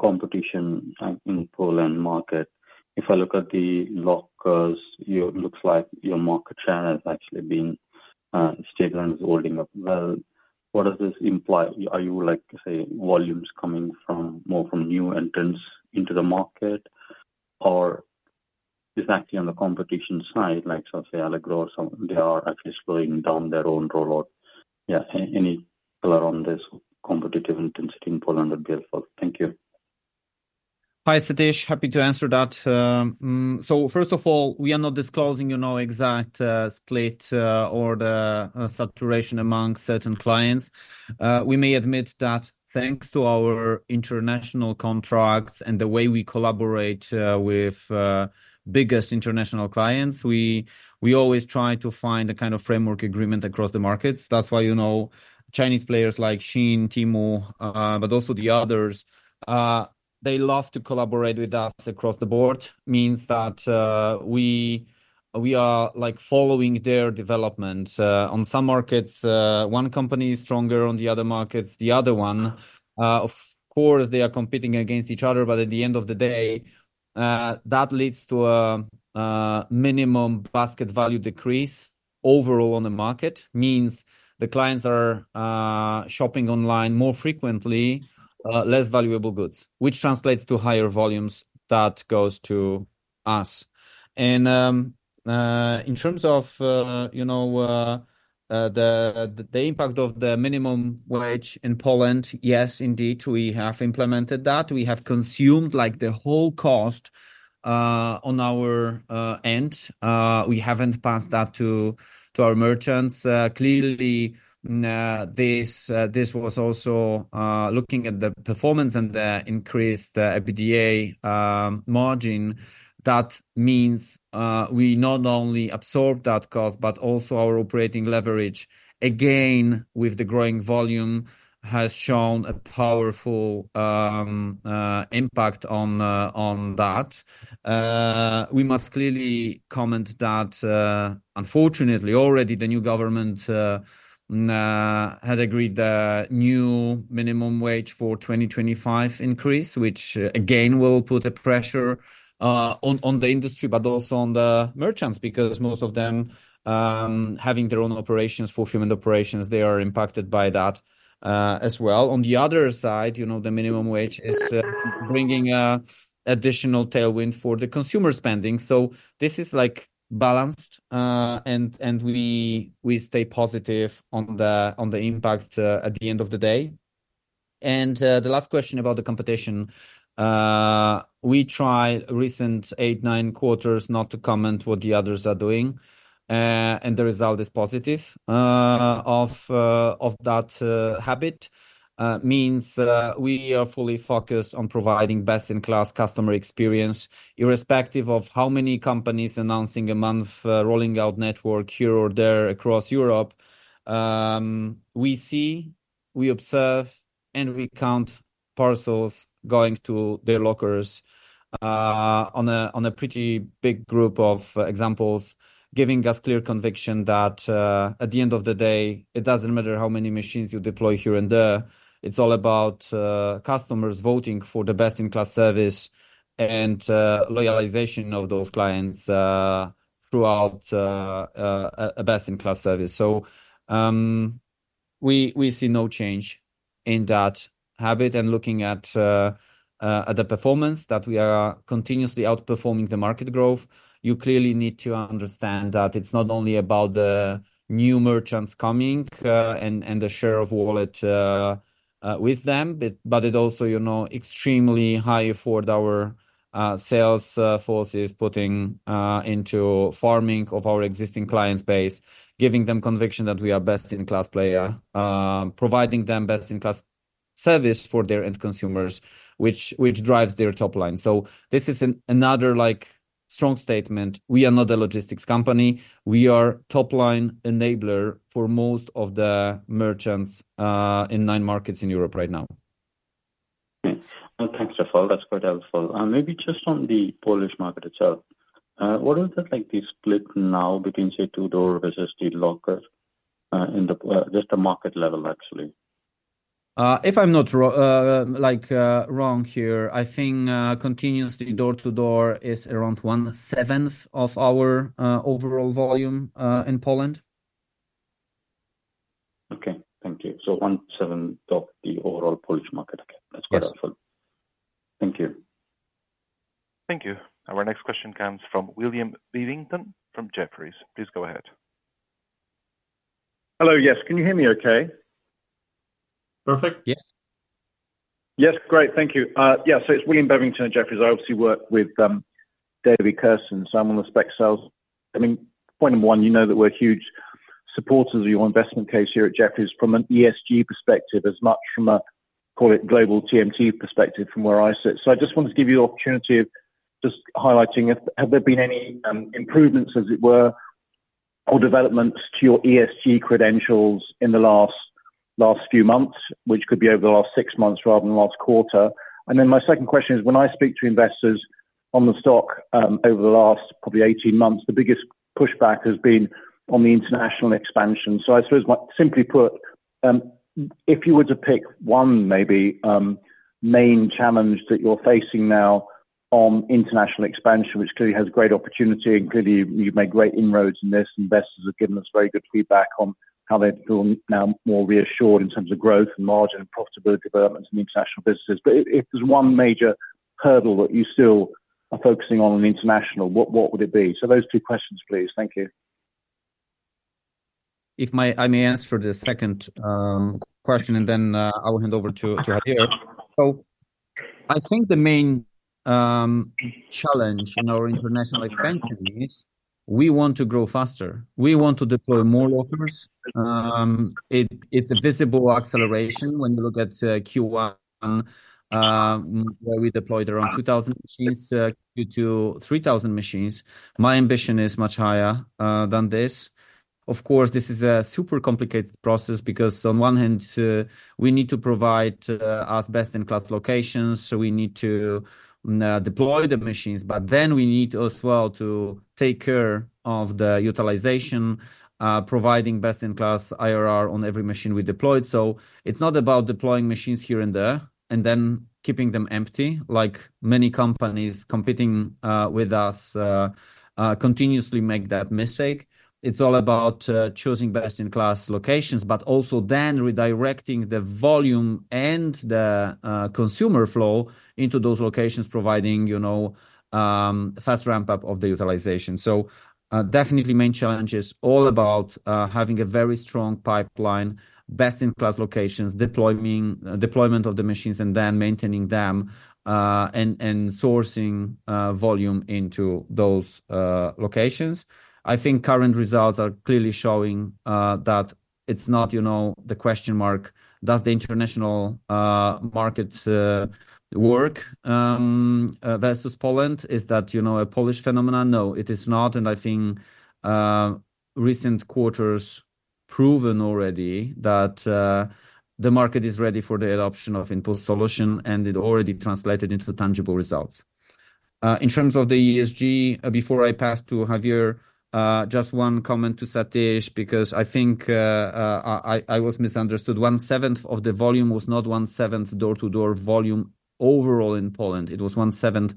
competition in Poland market. If I look at the lockers, it looks like your market share has actually been stable and is holding up well. What does this imply? Are you like to say volumes coming from more from new entrants into the market, or is actually on the competition side, like, so say, Allegro or some they are at least slowing down their own rollout? Yeah, any color on this competitive intensity in Poland would be helpful. Thank you. Hi, Satish. Happy to answer that. So first of all, we are not disclosing, you know, exact split or the saturation among certain clients. We may admit that thanks to our international contracts and the way we collaborate with biggest international clients, we always try to find a kind of framework agreement across the markets. That's why, you know, Chinese players like Shein, Temu, but also the others, they love to collaborate with us across the board. Means that we are, like, following their development. On some markets, one company is stronger, on the other markets, the other one. Of course, of course, they are competing against each other, but at the end of the day, that leads to minimum basket value decrease overall on the market. Means the clients are shopping online more frequently, less valuable goods, which translates to higher volumes that goes to us. And, in terms of, you know, the impact of the minimum wage in Poland, yes, indeed, we have implemented that. We have consumed, like, the whole cost, on our end. We haven't passed that to our merchants. Clearly, nah, this was also looking at the performance and the increased EBITDA margin. That means, we not only absorb that cost, but also our operating leverage, again, with the growing volume, has shown a powerful impact on that. We must clearly comment that, unfortunately, already the new government had agreed the new minimum wage for 2025 increase, which again will put a pressure on the industry, but also on the merchants, because most of them having their own operations, fulfillment operations, they are impacted by that as well. On the other side, you know, the minimum wage is bringing additional tailwind for the consumer spending. So this is like balanced, and we stay positive on the impact at the end of the day, and the last question about the competition. We try recent eight, nine quarters not to comment what the others are doing, and the result is positive of that habit. It means we are fully focused on providing best-in-class customer experience, irrespective of how many companies announcing a month, rolling out network here or there across Europe. We see, we observe, and we count parcels going to their lockers, on a pretty big group of examples, giving us clear conviction that, at the end of the day, it doesn't matter how many machines you deploy here and there. It's all about customers voting for the best-in-class service and loyalization of those clients throughout a best-in-class service. So we see no change in that habit. And looking at the performance, we are continuously outperforming the market growth. You clearly need to understand that it's not only about the new merchants coming, and the share of wallet with them, but it also, you know, extremely high effort our sales force is putting into forming of our existing client base, giving them conviction that we are best-in-class player. Providing them best-in-class service for their end consumers, which drives their top line. So this is another, like, strong statement. We are not a logistics company. We are top line enabler for most of the merchants in nine markets in Europe right now. Great. Well, thanks, Rafał. That's quite helpful. And maybe just on the Polish market itself, what is it like the split now between, say, two-door versus the locker, in just the market level, actually? If I'm not wrong here, I think continuously, door-to-door is around one seventh of our overall volume in Poland. Okay, thank you. So one seventh of the overall Polish market. Yes. Okay. That's quite helpful. Thank you. Thank you. Our next question comes from William Bevington from Jefferies. Please go ahead. Hello. Yes, can you hear me okay? Perfect. Yes. Yes, great. Thank you. Yeah, so it's William Bevington at Jefferies. I obviously work with David Kerstens, so I'm on the spec sales. I mean, point number one, you know that we're huge supporters of your investment case here at Jefferies from an ESG perspective, as much from a, call it, global TMT perspective from where I sit. So I just wanted to give you an opportunity of just highlighting if there have been any improvements, as it were, or developments to your ESG credentials in the last few months, which could be over the last six months rather than the last quarter? And then my second question is, when I speak to investors on the stock, over the last probably eighteen months, the biggest pushback has been on the international expansion. So I suppose, simply put, if you were to pick one maybe main challenge that you're facing now on international expansion, which clearly has great opportunity, and clearly, you've made great inroads in this. Investors have given us very good feedback on how they feel now more reassured in terms of growth and margin and profitability developments in the international businesses. But if there's one major hurdle that you still are focusing on in international, what would it be? So those two questions, please. Thank you. I may answer the second question, and then I will hand over to Javier. I think the main challenge in our international expansion is we want to grow faster. We want to deploy more lockers. It's a visible acceleration when you look at Q1, where we deployed around 2,000 machines up to 3,000 machines. My ambition is much higher than this. Of course, this is a super complicated process because on one hand, we need to provide the best-in-class locations, so we need to deploy the machines, but then we need as well to take care of the utilization, providing best-in-class IRR on every machine we deployed. It's not about deploying machines here and there, and then keeping them empty, like many companies competing with us... Continuously make that mistake. It's all about choosing best-in-class locations, but also then redirecting the volume and the consumer flow into those locations, providing, you know, fast ramp-up of the utilization. So, definitely main challenge is all about having a very strong pipeline, best-in-class locations, deployment, deployment of the machines, and then maintaining them, and sourcing volume into those locations. I think current results are clearly showing that it's not, you know, the question mark, does the international market work versus Poland? Is that, you know, a Polish phenomenon? No, it is not, and I think recent quarters proven already that the market is ready for the adoption of InPost solution, and it already translated into tangible results. In terms of the ESG, before I pass to Javier, just one comment to Satish, because I think, I was misunderstood. One-seventh of the volume was not one-seventh door-to-door volume overall in Poland, it was one-seventh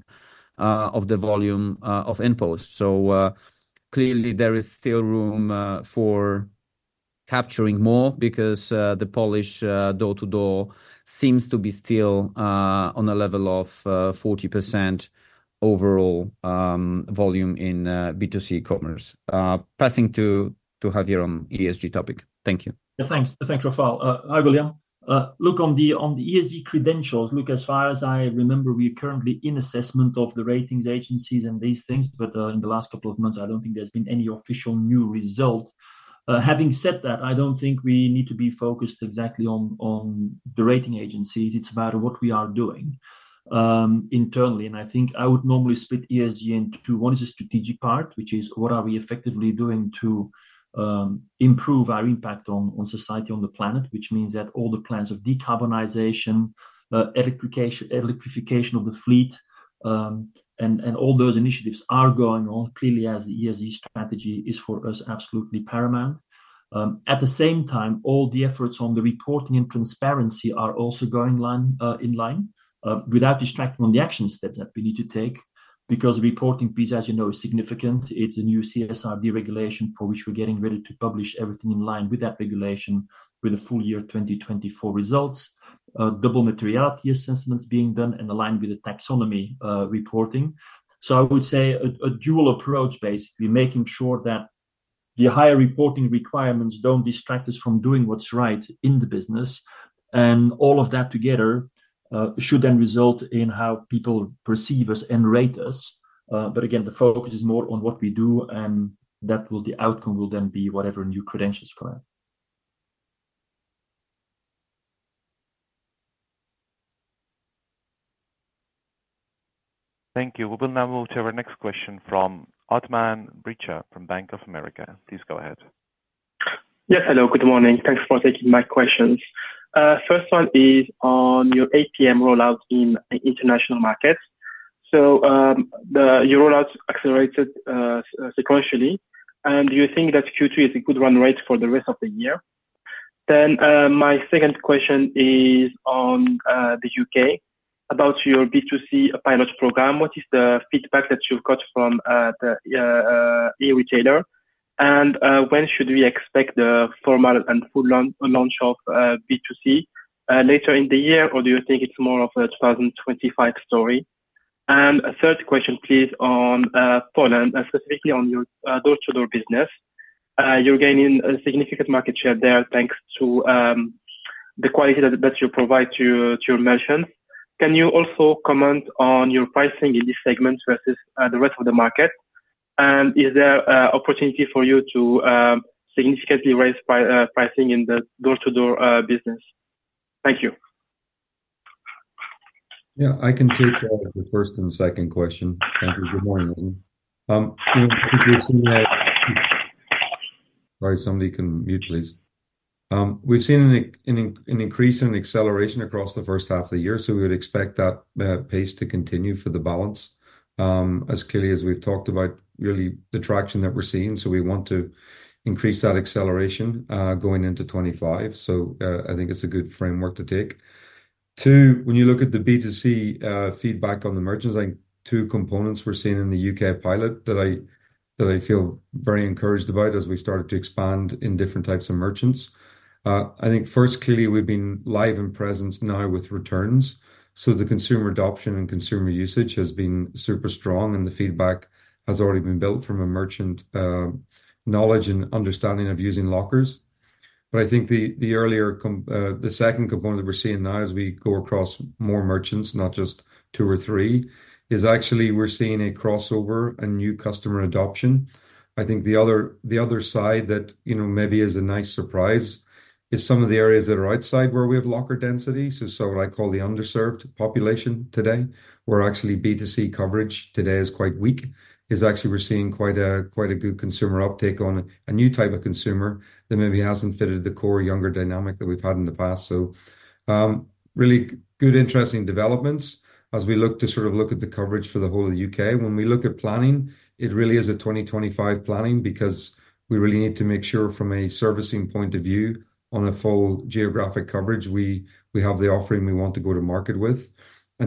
of the volume of InPost. So, clearly, there is still room for capturing more because the Polish door-to-door seems to be still on a level of 40% overall volume in B2C commerce. Passing to Javier on ESG topic. Thank you. Yeah, thanks. Thanks, Rafał. Hi, William. Look, on the ESG credentials, look, as far as I remember, we are currently in assessment of the ratings agencies and these things, but in the last couple of months, I don't think there's been any official new result. Having said that, I don't think we need to be focused exactly on the rating agencies. It's about what we are doing internally. And I think I would normally split ESG into one is the strategic part, which is what are we effectively doing to improve our impact on society, on the planet? Which means that all the plans of decarbonization, electrification of the fleet, and all those initiatives are going on clearly as the ESG strategy is for us, absolutely paramount. At the same time, all the efforts on the reporting and transparency are also going in line without distracting on the actions that we need to take, because reporting piece, as you know, is significant. It's a new CSRD regulation, for which we're getting ready to publish everything in line with that regulation, with the full year 2024 results, double materiality assessments being done and aligned with the taxonomy, reporting. So I would say a dual approach, basically, making sure that the higher reporting requirements don't distract us from doing what's right in the business. And all of that together should then result in how people perceive us and rate us. But again, the focus is more on what we do, and that will... the outcome will then be whatever new credentials come out. Thank you. We will now move to our next question from Othman Bricha from Bank of America. Please go ahead. Yes, hello, good morning. Thanks for taking my questions. First one is on your APM rollout in international markets. So, your rollout accelerated sequentially, and do you think that Q3 is a good run rate for the rest of the year? Then, my second question is on the U.K., about your B2C pilot program. What is the feedback that you've got from the e-retailer? And, when should we expect the formal and full launch of B2C later in the year, or do you think it's more of a 2025 story? And a third question, please, on Poland, specifically on your door-to-door business. You're gaining a significant market share there, thanks to the best quality you provide to your merchants. Can you also comment on your pricing in this segment versus the rest of the market? And is there opportunity for you to significantly raise pricing in the door-to-door business? Thank you. Yeah, I can take, the first and second question. Thank you. Good morning, Othman. I think we've seen that... Sorry, somebody can mute, please. We've seen an increase in acceleration across the first half of the year, so we would expect that pace to continue for the balance. As clearly as we've talked about really the traction that we're seeing, so we want to increase that acceleration going into 2025, so I think it's a good framework to take. Two, when you look at the B2C feedback on the merchants, I think two components we're seeing in the U.K. pilot that I feel very encouraged about as we've started to expand in different types of merchants. I think first, clearly, we've been live in France now with returns, so the consumer adoption and consumer usage has been super strong, and the feedback has already been built from merchant knowledge and understanding of using lockers. But I think the earlier comment, the second component that we're seeing now as we go across more merchants, not just two or three, is actually we're seeing a crossover and new customer adoption. I think the other, the other side that, you know, maybe is a nice surprise, is some of the areas that are outside where we have locker density, so, so what I call the underserved population today, where actually B2C coverage today is quite weak, is actually we're seeing quite a, quite a good consumer uptake on a new type of consumer that maybe hasn't fitted the core younger dynamic that we've had in the past. So, really good, interesting developments as we look to sort of look at the coverage for the whole of the U.K.. When we look at planning, it really is a 2025 planning because we really need to make sure from a servicing point of view, on a full geographic coverage, we have the offering we want to go to market with.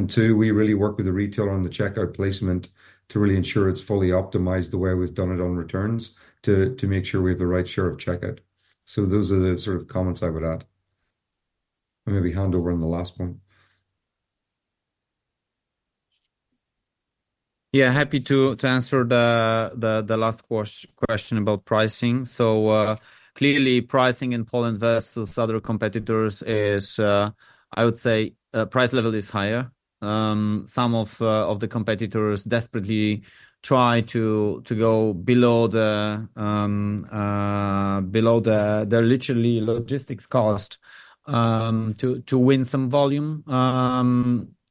Two, we really work with the retailer on the checkout placement to really ensure it's fully optimized the way we've done it on returns, to make sure we have the right share of checkout.... Those are the sort of comments I would add. Let me hand over on the last one. Yeah, happy to answer the last question about pricing. So, clearly, pricing in Poland versus other competitors is, I would say, price level is higher. Some of the competitors desperately try to go below the literally logistics cost to win some volume.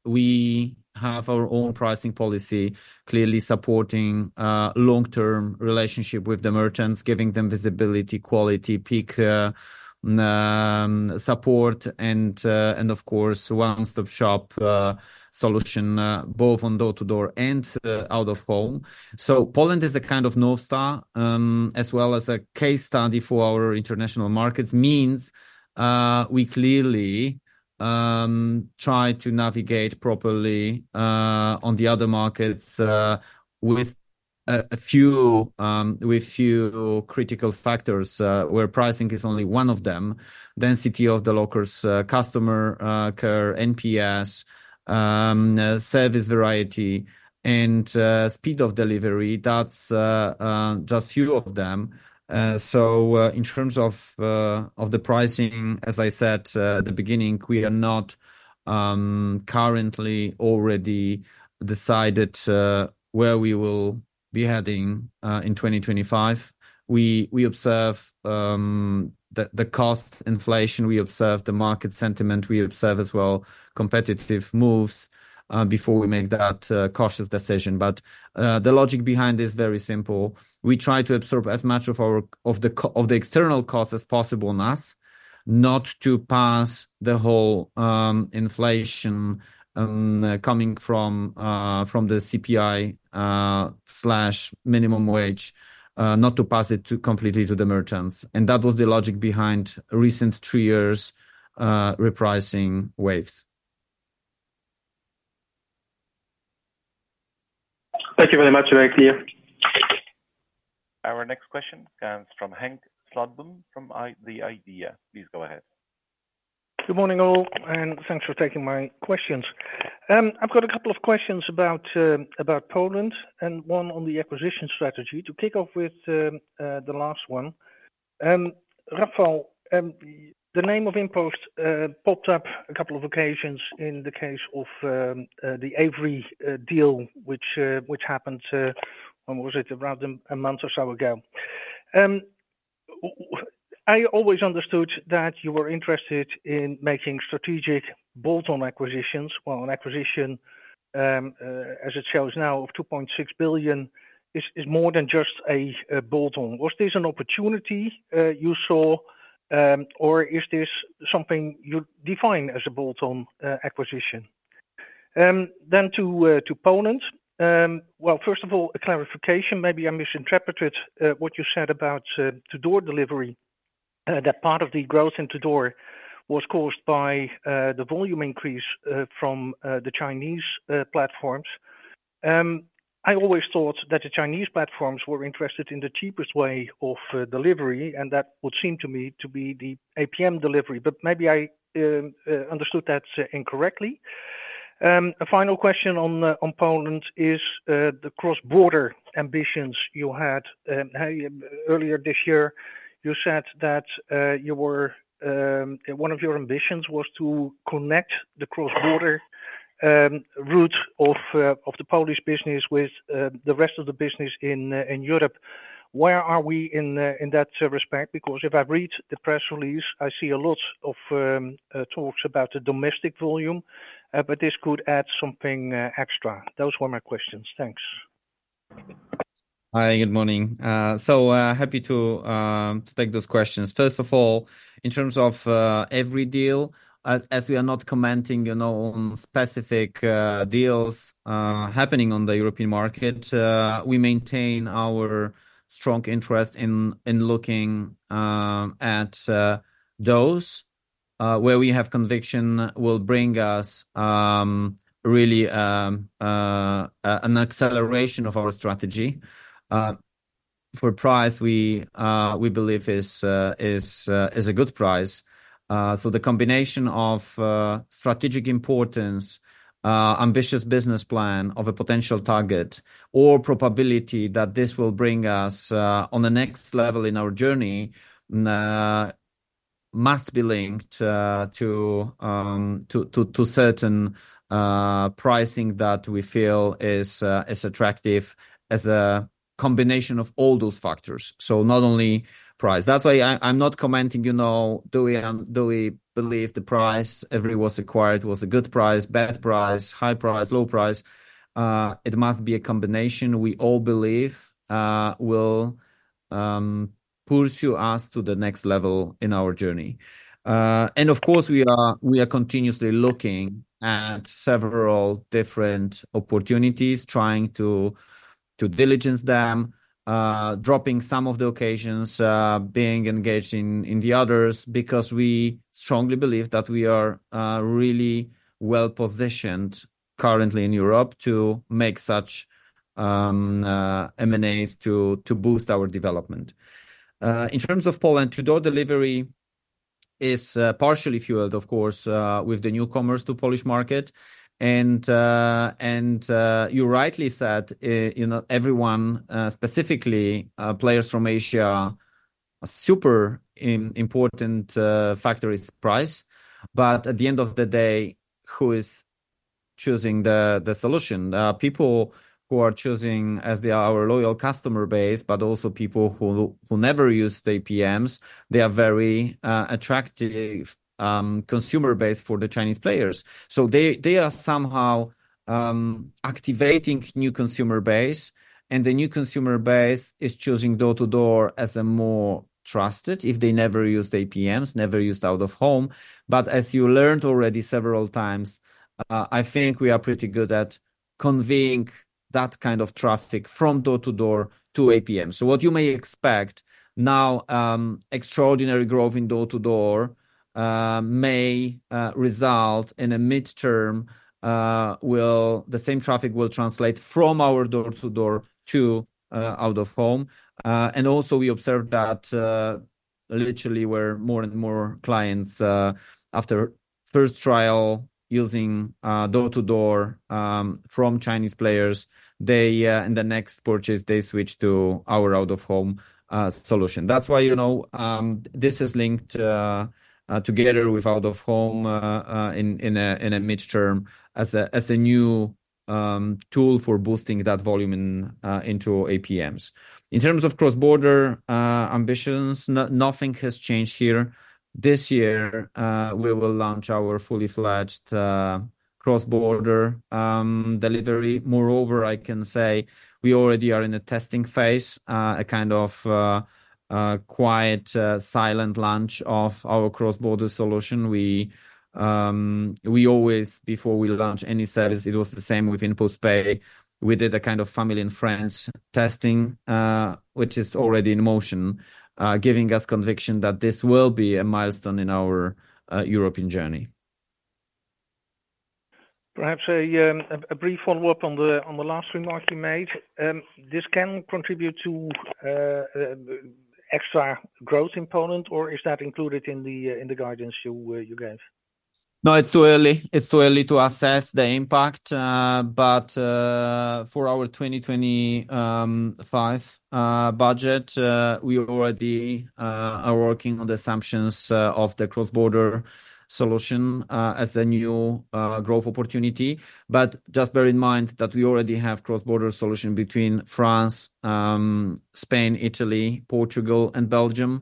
We have our own pricing policy, clearly supporting long-term relationship with the merchants, giving them visibility, quality, peak support, and of course, one-stop shop solution both on door-to-door and out-of-home. So Poland is a kind of North Star as well as a case study for our international markets. I mean, we clearly try to navigate properly on the other markets with a few critical factors where pricing is only one of them: density of the lockers, customer care, NPS, service variety, and speed of delivery. That's just few of them, so in terms of the pricing, as I said at the beginning, we are not currently already decided where we will be heading in 2025. We observe the cost inflation, we observe the market sentiment, we observe as well competitive moves before we make that cautious decision, but the logic behind is very simple. We try to absorb as much of the external costs as possible on us, not to pass the whole inflation coming from the CPI/minimum wage completely to the merchants, and that was the logic behind recent three years repricing waves. Thank you very much. Very clear. Our next question comes from Henk Slotboom, from the IDEA!. Please go ahead. Good morning, all, and thanks for taking my questions. I've got a couple of questions about about Poland and one on the acquisition strategy. To kick off with, the last one, Rafał, the name of InPost popped up a couple of occasions in the case of the Evri deal which happened, when was it? Around a month or so ago. I always understood that you were interested in making strategic bolt-on acquisitions. Well, an acquisition, as it shows now, of 2.6 billion is more than just a bolt on. Was this an opportunity you saw or is this something you define as a bolt-on acquisition? Then to Poland. Well, first of all, a clarification, maybe I misinterpreted what you said about door-to-door delivery, that part of the growth in door-to-door was caused by the volume increase from the Chinese platforms. I always thought that the Chinese platforms were interested in the cheapest way of delivery, and that would seem to me to be the APM delivery, but maybe I understood that incorrectly. A final question on Poland is the cross-border ambitions you had. How, earlier this year, you said that you were... One of your ambitions was to connect the cross-border routes of the Polish business with the rest of the business in Europe. Where are we in that respect? Because if I read the press release, I see a lot of talks about the domestic volume, but this could add something extra. Those were my questions. Thanks. Hi, good morning, happy to take those questions. First of all, in terms of Evri deal, as we are not commenting, you know, on specific deals happening on the European market, we maintain our strong interest in looking at those where we have conviction will bring us really an acceleration of our strategy. For price, we believe is a good price. The combination of strategic importance, ambitious business plan of a potential target, or probability that this will bring us on the next level in our journey must be linked to certain pricing that we feel is attractive as a combination of all those factors. Not only price. That's why I'm not commenting, you know, do we believe the price Evri was acquired was a good price, bad price, high price, low price? It must be a combination we all believe will pursue us to the next level in our journey. And of course, we are continuously looking at several different opportunities, trying to diligence them, dropping some of the opportunities, being engaged in the others, because we strongly believe that we are really well-positioned currently in Europe to make such M&As to boost our development. In terms of Poland door-to-door delivery is partially fueled, of course, with the newcomers to Polish market. You rightly said, you know, everyone, specifically, players from Asia. A super important factor is price. But at the end of the day, who is choosing the solution? People who are choosing, as they are our loyal customer base, but also people who never used APMs. They are very attractive consumer base for the Chinese players. So they are somehow activating new consumer base, and the new consumer base is choosing door-to-door as a more trusted, if they never used APMs, never used out-of-home. But as you learned already several times, I think we are pretty good at conveying that kind of traffic from door-to-door to APM. So what you may expect now, extraordinary growth in door-to-door may result in a midterm. The same traffic will translate from our door-to-door to out-of-home. And also we observed that literally where more and more clients after first trial using door-to-door from Chinese players, they in the next purchase, they switch to our out-of-home solution. That's why, you know, this is linked together with out-of-home in a midterm as a new tool for boosting that volume into APMs. In terms of cross-border ambitions, nothing has changed here. This year we will launch our fully-fledged cross-border delivery. Moreover, I can say we already are in a testing phase, a kind of quiet, silent launch of our cross-border solution. We, we always, before we launch any service, it was the same with InPost Pay, we did a kind of family and friends testing, which is already in motion, giving us conviction that this will be a milestone in our, European journey. Perhaps a brief follow-up on the last remark you made. This can contribute to extra growth in Poland, or is that included in the guidance you gave? No, it's too early. It's too early to assess the impact, but for our 2025 budget, we already are working on the assumptions of the cross-border solution as a new growth opportunity. But just bear in mind that we already have cross-border solution between France, Spain, Italy, Portugal, and Belgium.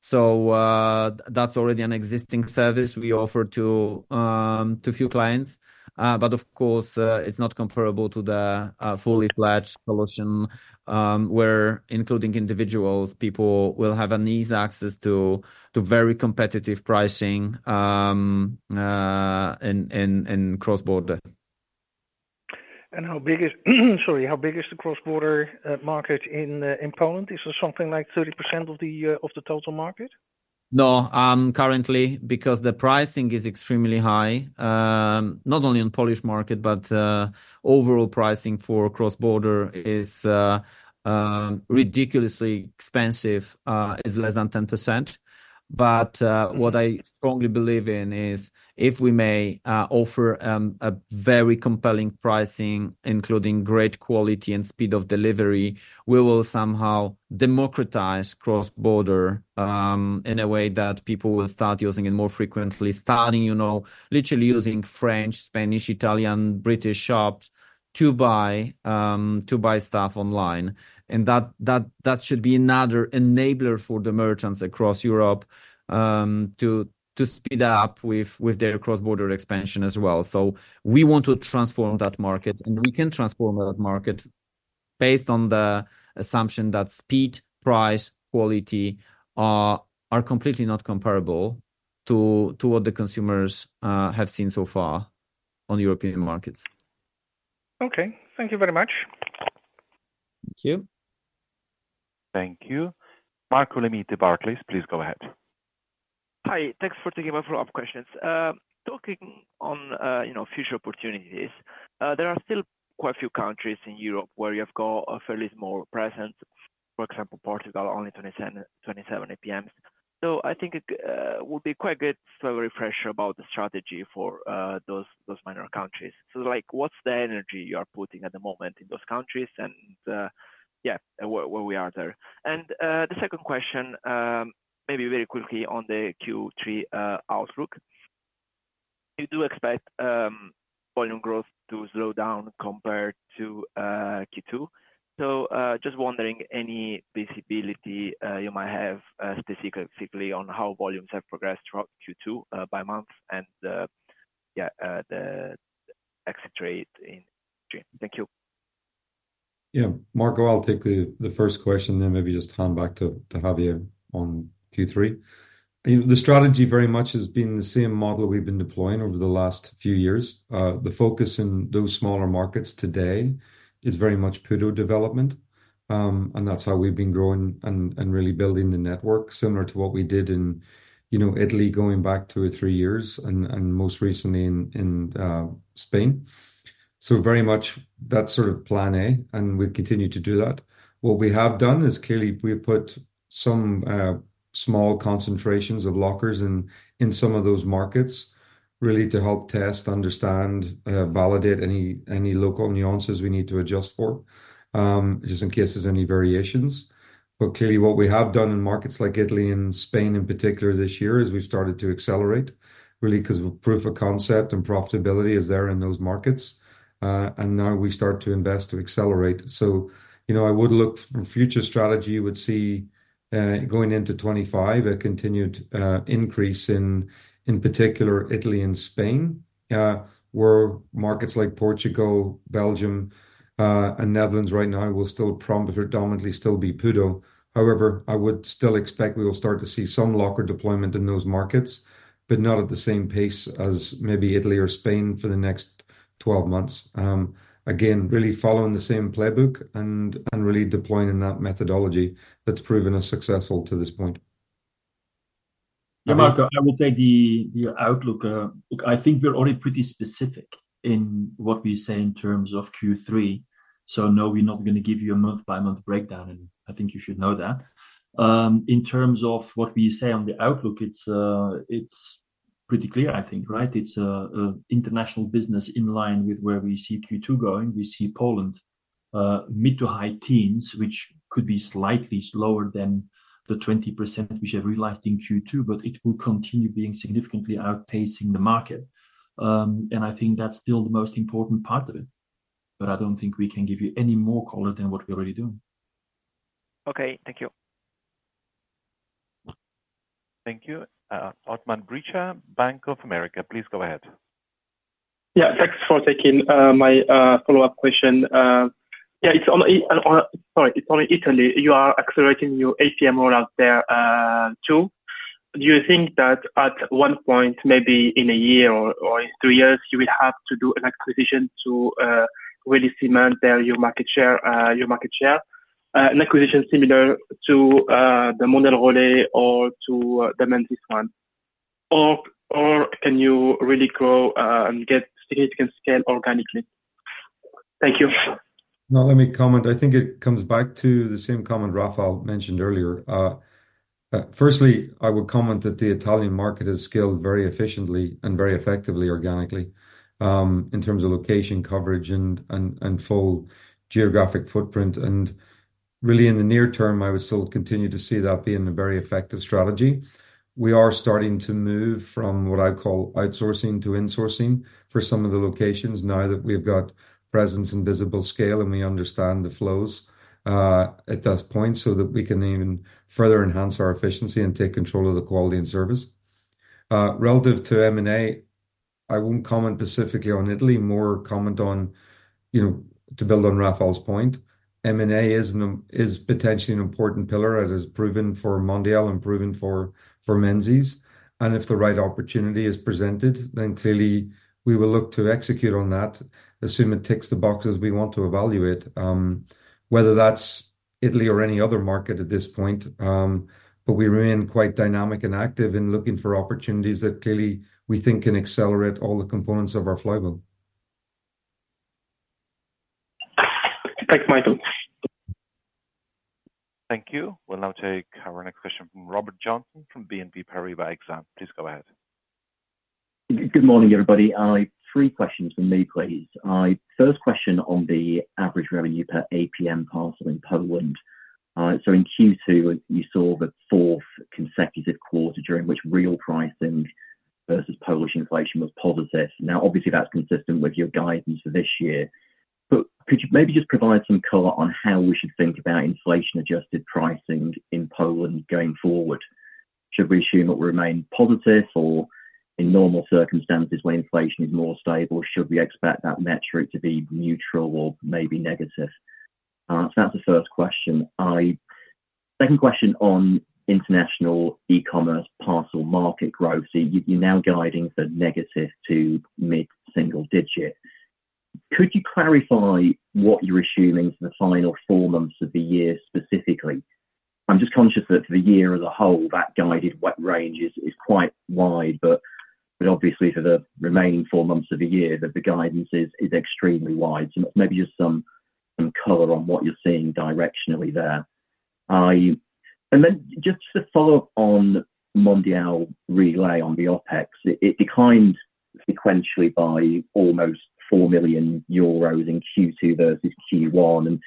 So, that's already an existing service we offer to a few clients. But of course, it's not comparable to the fully-fledged solution, where including individuals, people will have an easy access to very competitive pricing in cross-border. Sorry, how big is the cross-border market in Poland? Is it something like 30% of the total market? No, currently, because the pricing is extremely high, not only on Polish market, but overall pricing for cross-border is ridiculously expensive, is less than 10%. But what I strongly believe in is, if we may offer a very compelling pricing, including great quality and speed of delivery, we will somehow democratize cross-border, in a way that people will start using it more frequently, starting, you know, literally using French, Spanish, Italian, British shops to buy stuff online. And that should be another enabler for the merchants across Europe, to speed up with their cross-border expansion as well. So we want to transform that market, and we can transform that market based on the assumption that speed, price, quality are completely not comparable to what the consumers have seen so far on European markets. Okay. Thank you very much. Thank you. Thank you. Marco Limite, Barclays, please go ahead. Hi, thanks for taking my follow-up questions. Talking on, you know, future opportunities, there are still quite a few countries in Europe where you have got a fairly small presence. For example, Portugal, only 27 APMs. So I think it would be quite good to have a refresher about the strategy for those minor countries. So like, what's the energy you are putting at the moment in those countries? And yeah, where we are there. And the second question, maybe very quickly on the Q3 outlook. You do expect volume growth to slow down compared to Q2. So just wondering, any visibility you might have, specifically on how volumes have progressed throughout Q2, by month, and yeah, the exit rate in June. Thank you. Yeah. Marco, I'll take the first question, then maybe just hand back to Javier on Q3. The strategy very much has been the same model we've been deploying over the last few years. The focus in those smaller markets today is very much PUDO development, and that's how we've been growing and really building the network, similar to what we did in, you know, Italy, going back two or three years, and most recently in Spain. So very much that's sort of plan A, and we've continued to do that. What we have done is clearly we've put some small concentrations of lockers in some of those markets, really to help test, understand, validate any local nuances we need to adjust for, just in case there's any variations. But clearly, what we have done in markets like Italy and Spain in particular this year is we've started to accelerate really 'cause of proof of concept and profitability is there in those markets, and now we start to invest to accelerate. You know, I would look for future strategy would see going into 2025 a continued increase in particular Italy and Spain, where markets like Portugal, Belgium, and Netherlands right now will still primarily predominantly be PUDO. However, I would still expect we will start to see some locker deployment in those markets, but not at the same pace as maybe Italy or Spain for the next 12 months. Again, really following the same playbook and really deploying in that methodology that's proven us successful to this point. Yeah, Marco, I will take the outlook. Look, I think we're already pretty specific in what we say in terms of Q3. So no, we're not gonna give you a month-by-month breakdown, and I think you should know that. In terms of what we say on the outlook, it's pretty clear, I think, right? It's a international business in line with where we see Q2 going. We see Poland mid- to high-teens %, which could be slightly slower than the 20%, which I realized in Q2, but it will continue being significantly outpacing the market. And I think that's still the most important part of it, but I don't think we can give you any more color than what we already doing. Okay. Thank you. Thank you. Othman Bricha, Bank of America, please go ahead. Yeah, thanks for taking my follow-up question. Yeah, it's only Italy. Sorry, you are accelerating your APM rollout there too. Do you think that at one point, maybe in a year or in two years, you will have to do an acquisition to really cement there your market share? An acquisition similar to the Mondial Relay or to the Menzies one, or can you really grow and get significant scale organically? Thank you. Now, let me comment. I think it comes back to the same comment Rafał mentioned earlier. Firstly, I would comment that the Italian market has scaled very efficiently and very effectively, organically, in terms of location, coverage, and full geographic footprint. Really, in the near term, I would still continue to see that being a very effective strategy. We are starting to move from what I call outsourcing to insourcing for some of the locations, now that we've got presence and visible scale, and we understand the flows, at this point, so that we can even further enhance our efficiency and take control of the quality and service. Relative to M&A, I won't comment specifically on Italy. More comment on, you know, to build on Rafał's point, M&A is potentially an important pillar. It has proven for Mondial and proven for Menzies, and if the right opportunity is presented, then clearly we will look to execute on that, assume it ticks the boxes we want to evaluate, whether that's Italy or any other market at this point, but we remain quite dynamic and active in looking for opportunities that clearly we think can accelerate all the components of our flywheel. Thanks, Michael. Thank you. We'll now take our next question from Robert Joynson, from BNP Paribas Exane. Please go ahead. Good morning, everybody. Three questions from me, please. First question on the average revenue per APM parcel in Poland, so in Q2, you saw the fourth consecutive quarter during which real pricing versus Polish inflation was positive. Now, obviously, that's consistent with your guidance for this year, but could you maybe just provide some color on how we should think about inflation-adjusted pricing in Poland going forward? Should we assume it will remain positive, or in normal circumstances where inflation is more stable, should we expect that metric to be neutral or maybe negative? So that's the first question. Second question on international e-commerce parcel market growth. You're now guiding for negative to mid-single digit. Could you clarify what you're assuming for the final four months of the year, specifically? I'm just conscious that for the year as a whole, that guidance range is quite wide, but obviously for the remaining four months of the year, that the guidance is extremely wide. So maybe just some color on what you're seeing directionally there. And then just to follow up on Mondial Relay on the OpEx, it declined sequentially by almost 4 million euros in Q2 versus Q1, and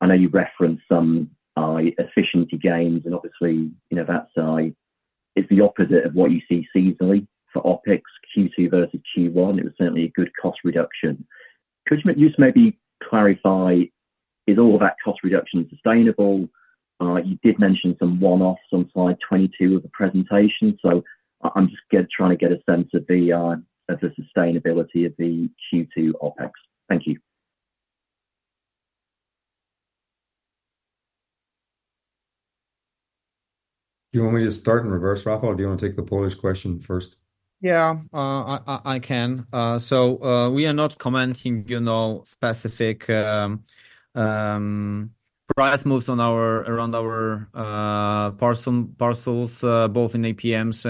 I know you referenced some efficiency gains and obviously, you know, that side is the opposite of what you see seasonally for OpEx Q2 versus Q1. It was certainly a good cost reduction. Could you just maybe clarify, is all of that cost reduction sustainable? You did mention some one-offs on slide 22 of the presentation, so I'm just trying to get a sense of the sustainability of the Q2 OpEx. Thank you.... Do you want me to start in reverse, Rafał? Or do you want to take the Polish question first? Yeah, I can. So, we are not commenting, you know, specific price moves around our parcels both in APMs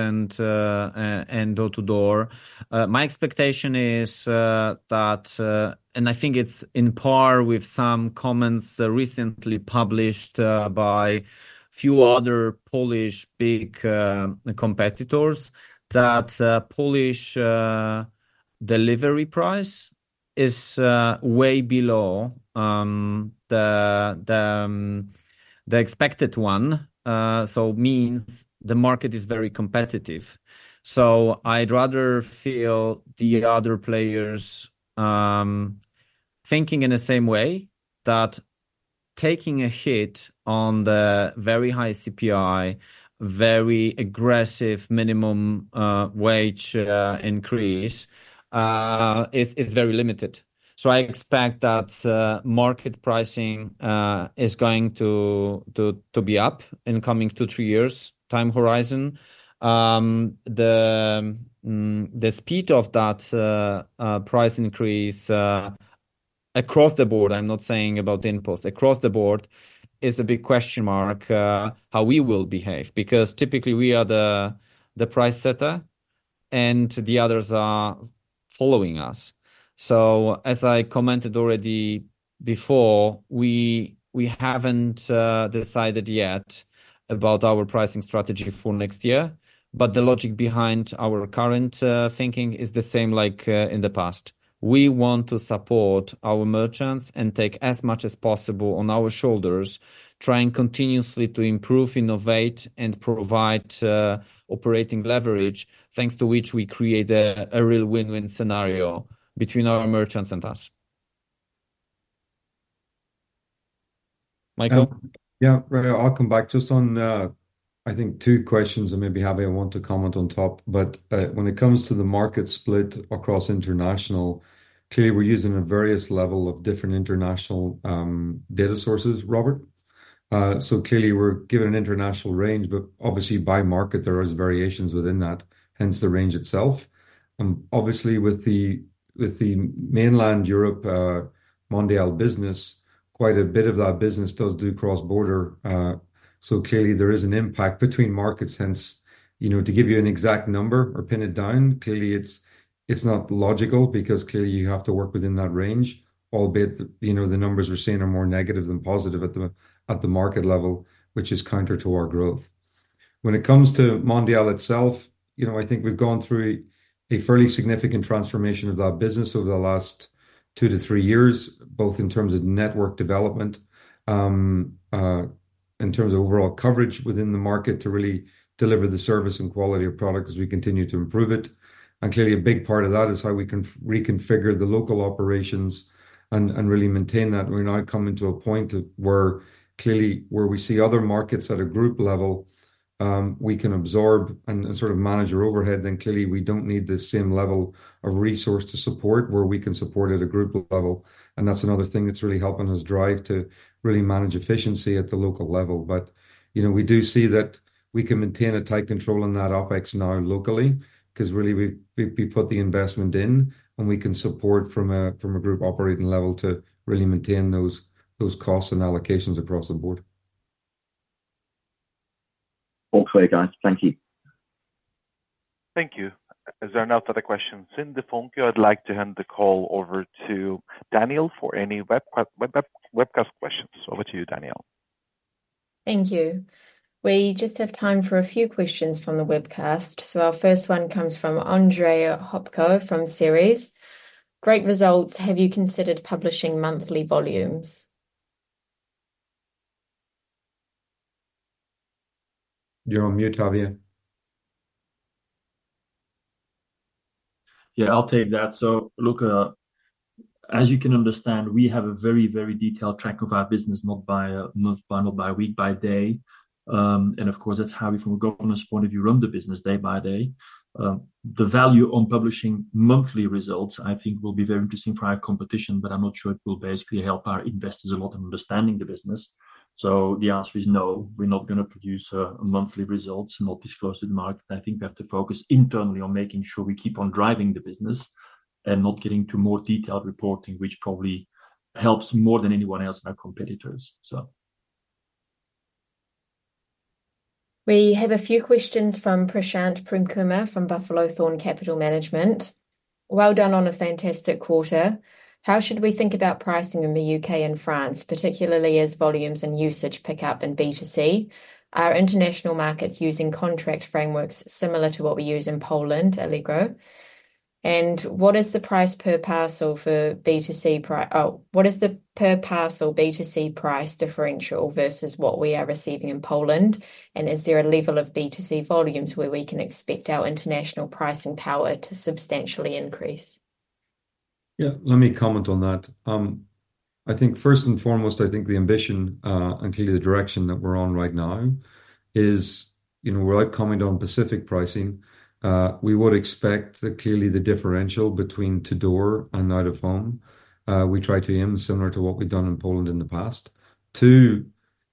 and door-to-door. My expectation is that. And I think it's in line with some comments recently published by few other Polish big competitors, that Polish delivery price is way below the expected one. So that means the market is very competitive. So I'd rather see the other players thinking in the same way, that taking a hit on the very high CPI, very aggressive minimum wage increase, is very limited. So I expect that market pricing is going to be up in the coming two- to three-year time horizon. The speed of that price increase across the board, I'm not saying about InPost, across the board is a big question mark, how we will behave. Because typically we are the price setter, and the others are following us. So as I commented already before, we haven't decided yet about our pricing strategy for next year, but the logic behind our current thinking is the same like in the past. We want to support our merchants and take as much as possible on our shoulders, trying continuously to improve, innovate, and provide operating leverage, thanks to which we create a real win-win scenario between our merchants and us. Michael? Yeah. Yeah, I'll come back just on, I think two questions and maybe, Javi, I want to comment on top. But when it comes to the market split across international, clearly, we're using a various level of different international data sources, Robert. So clearly we're given an international range, but obviously by market there is variations within that, hence the range itself. And obviously, with the mainland Europe, Mondial business, quite a bit of that business does do cross-border. So clearly there is an impact between markets, hence, you know, to give you an exact number or pin it down, clearly, it's not logical because clearly you have to work within that range. Albeit, you know, the numbers we're seeing are more negative than positive at the market level, which is counter to our growth. When it comes to Mondial itself, you know, I think we've gone through a fairly significant transformation of that business over the last two to three years, both in terms of network development, in terms of overall coverage within the market to really deliver the service and quality of product as we continue to improve it. And clearly, a big part of that is how we reconfigure the local operations and really maintain that. We're now coming to a point where clearly where we see other markets at a group level, we can absorb and sort of manage our overhead, then clearly we don't need the same level of resource to support, where we can support at a group level. And that's another thing that's really helping us drive to really manage efficiency at the local level. But, you know, we do see that we can maintain a tight control on that OpEx now locally, 'cause really we've put the investment in, and we can support from a group operating level to really maintain those costs and allocations across the board. Thanks for that, guys. Thank you. Thank you. As there are no further questions in the phone queue, I'd like to hand the call over to Danielle for any webcast questions. Over to you, Danielle. Thank you. We just have time for a few questions from the webcast. So our first one comes from Andrzej Hopko from Ceres: Great results. Have you considered publishing monthly volumes? You're on mute, Javi. Yeah, I'll take that. So look, as you can understand, we have a very, very detailed track of our business, not by month, but by week, by day, and of course, that's how we, from a governance point of view, run the business day by day. The value on publishing monthly results, I think, will be very interesting for our competition, but I'm not sure it will basically help our investors a lot in understanding the business, so the answer is no, we're not gonna produce monthly results, not disclose to the market. I think we have to focus internally on making sure we keep on driving the business and not getting to more detailed reporting, which probably helps more than anyone else, our competitors. So... We have a few questions from Prashant Premkumar from Buffalo Thorn Capital Management. Well done on a fantastic quarter. How should we think about pricing in the U.K. and France, particularly as volumes and usage pick up in B2C? Are international markets using contract frameworks similar to what we use in Poland, Allegro? And what is the per parcel B2C price differential versus what we are receiving in Poland? And is there a level of B2C volumes where we can expect our international pricing power to substantially increase? Yeah, let me comment on that. I think first and foremost, I think the ambition and clearly the direction that we're on right now is, you know, without commenting on specific pricing, we would expect that clearly the differential between door-to-door and out-of-home, we try to aim similar to what we've done in Poland in the past.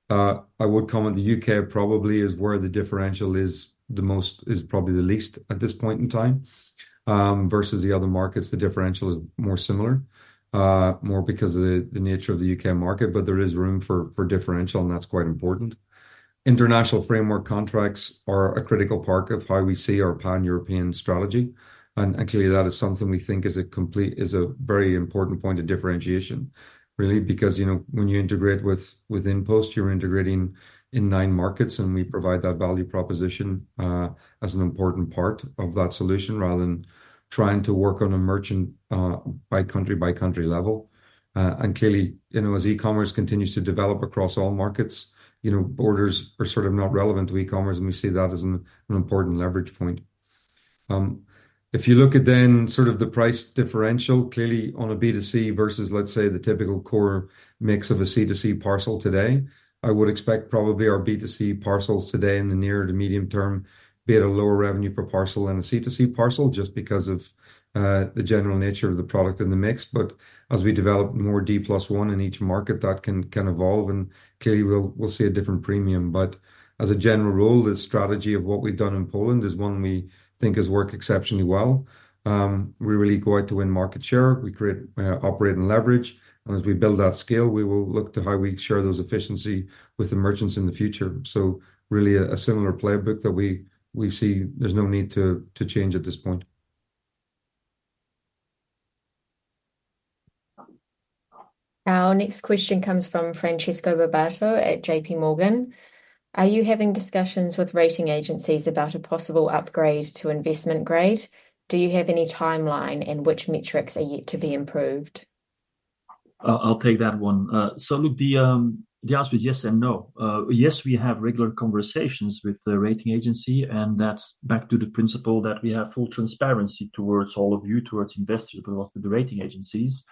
I would comment the U.K. probably is where the differential is the most, is probably the least at this point in time, versus the other markets, the differential is more similar, more because of the nature of the U.K. market, but there is room for differential, and that's quite important. International framework contracts are a critical part of how we see our pan-European strategy, and actually, that is something we think is a very important point of differentiation, really, because, you know, when you integrate with InPost, you're integrating in nine markets, and we provide that value proposition as an important part of that solution, rather than trying to work on a merchant by country by country level, and clearly, you know, as e-commerce continues to develop across all markets, you know, borders are sort of not relevant to e-commerce, and we see that as an important leverage point. If you look at then sort of the price differential, clearly on a B2C versus, let's say, the typical core mix of a C2C parcel today, I would expect probably our B2C parcels today, in the near to medium term, be at a lower revenue per parcel than a C2C parcel, just because of the general nature of the product in the mix. But as we develop more D+1 in each market, that can evolve, and clearly, we'll see a different premium. But as a general rule, the strategy of what we've done in Poland is one we think has worked exceptionally well. We really go out to win market share. We create, operate, and leverage, and as we build that scale, we will look to how we share those efficiency with the merchants in the future. So really, a similar playbook that we see there's no need to change at this point. Our next question comes from Francesco Barbato at J.P. Morgan. Are you having discussions with rating agencies about a possible upgrade to investment grade? Do you have any timeline, and which metrics are yet to be improved? I'll take that one. So look, the answer is yes and no. Yes, we have regular conversations with the rating agency, and that's back to the principle that we have full transparency towards all of you, towards investors, but also the rating agencies.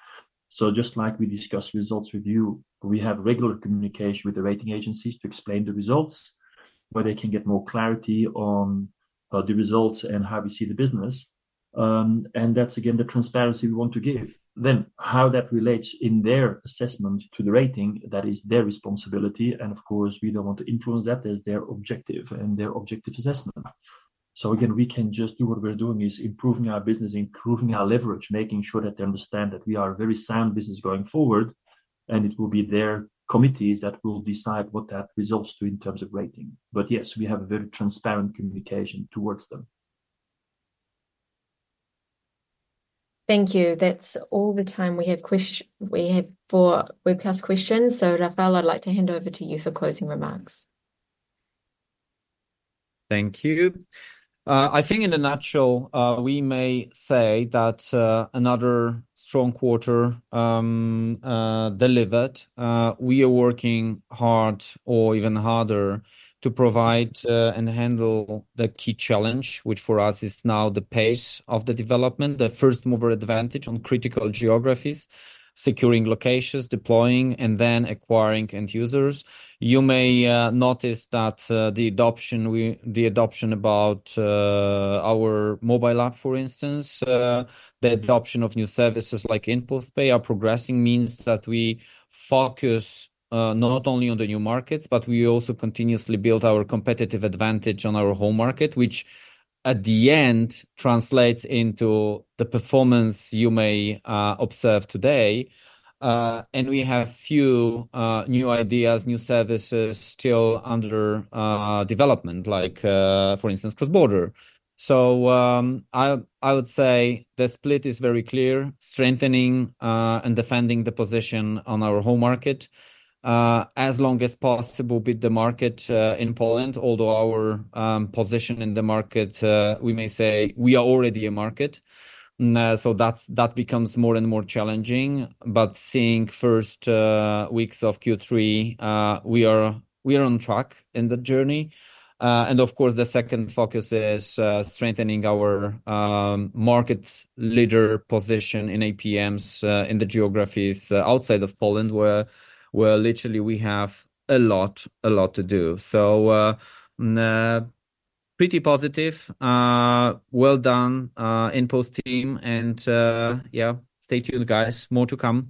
So just like we discuss results with you, we have regular communication with the rating agencies to explain the results, where they can get more clarity on the results and how we see the business. And that's again, the transparency we want to give. Then, how that relates in their assessment to the rating, that is their responsibility, and of course, we don't want to influence that. That's their objective and their objective assessment. So again, we can just do what we're doing, is improving our business, improving our leverage, making sure that they understand that we are a very sound business going forward, and it will be their committees that will decide what that results to in terms of rating. But yes, we have a very transparent communication towards them. Thank you. That's all the time we have for webcast questions. So, Rafał, I'd like to hand over to you for closing remarks. Thank you. I think in a nutshell, we may say that another strong quarter delivered. We are working hard or even harder to provide and handle the key challenge, which for us is now the pace of the development, the first mover advantage on critical geographies, securing locations, deploying, and then acquiring end users. You may notice that the adoption of our mobile app, for instance, the adoption of new services like InPost Pay are progressing, means that we focus not only on the new markets, but we also continuously build our competitive advantage on our home market, which at the end translates into the performance you may observe today. And we have few new ideas, new services still under development, like for instance, cross-border. So I would say the split is very clear: strengthening and defending the position on our home market as long as possible with the market in Poland. Although our position in the market, we may say we are already a market. So that's, that becomes more and more challenging. But seeing first weeks of Q3, we are on track in the journey. And of course, the second focus is strengthening our market leader position in APMs in the geographies outside of Poland, where literally we have a lot to do. So pretty positive. Well done, InPost team, and yeah, stay tuned, guys. More to come.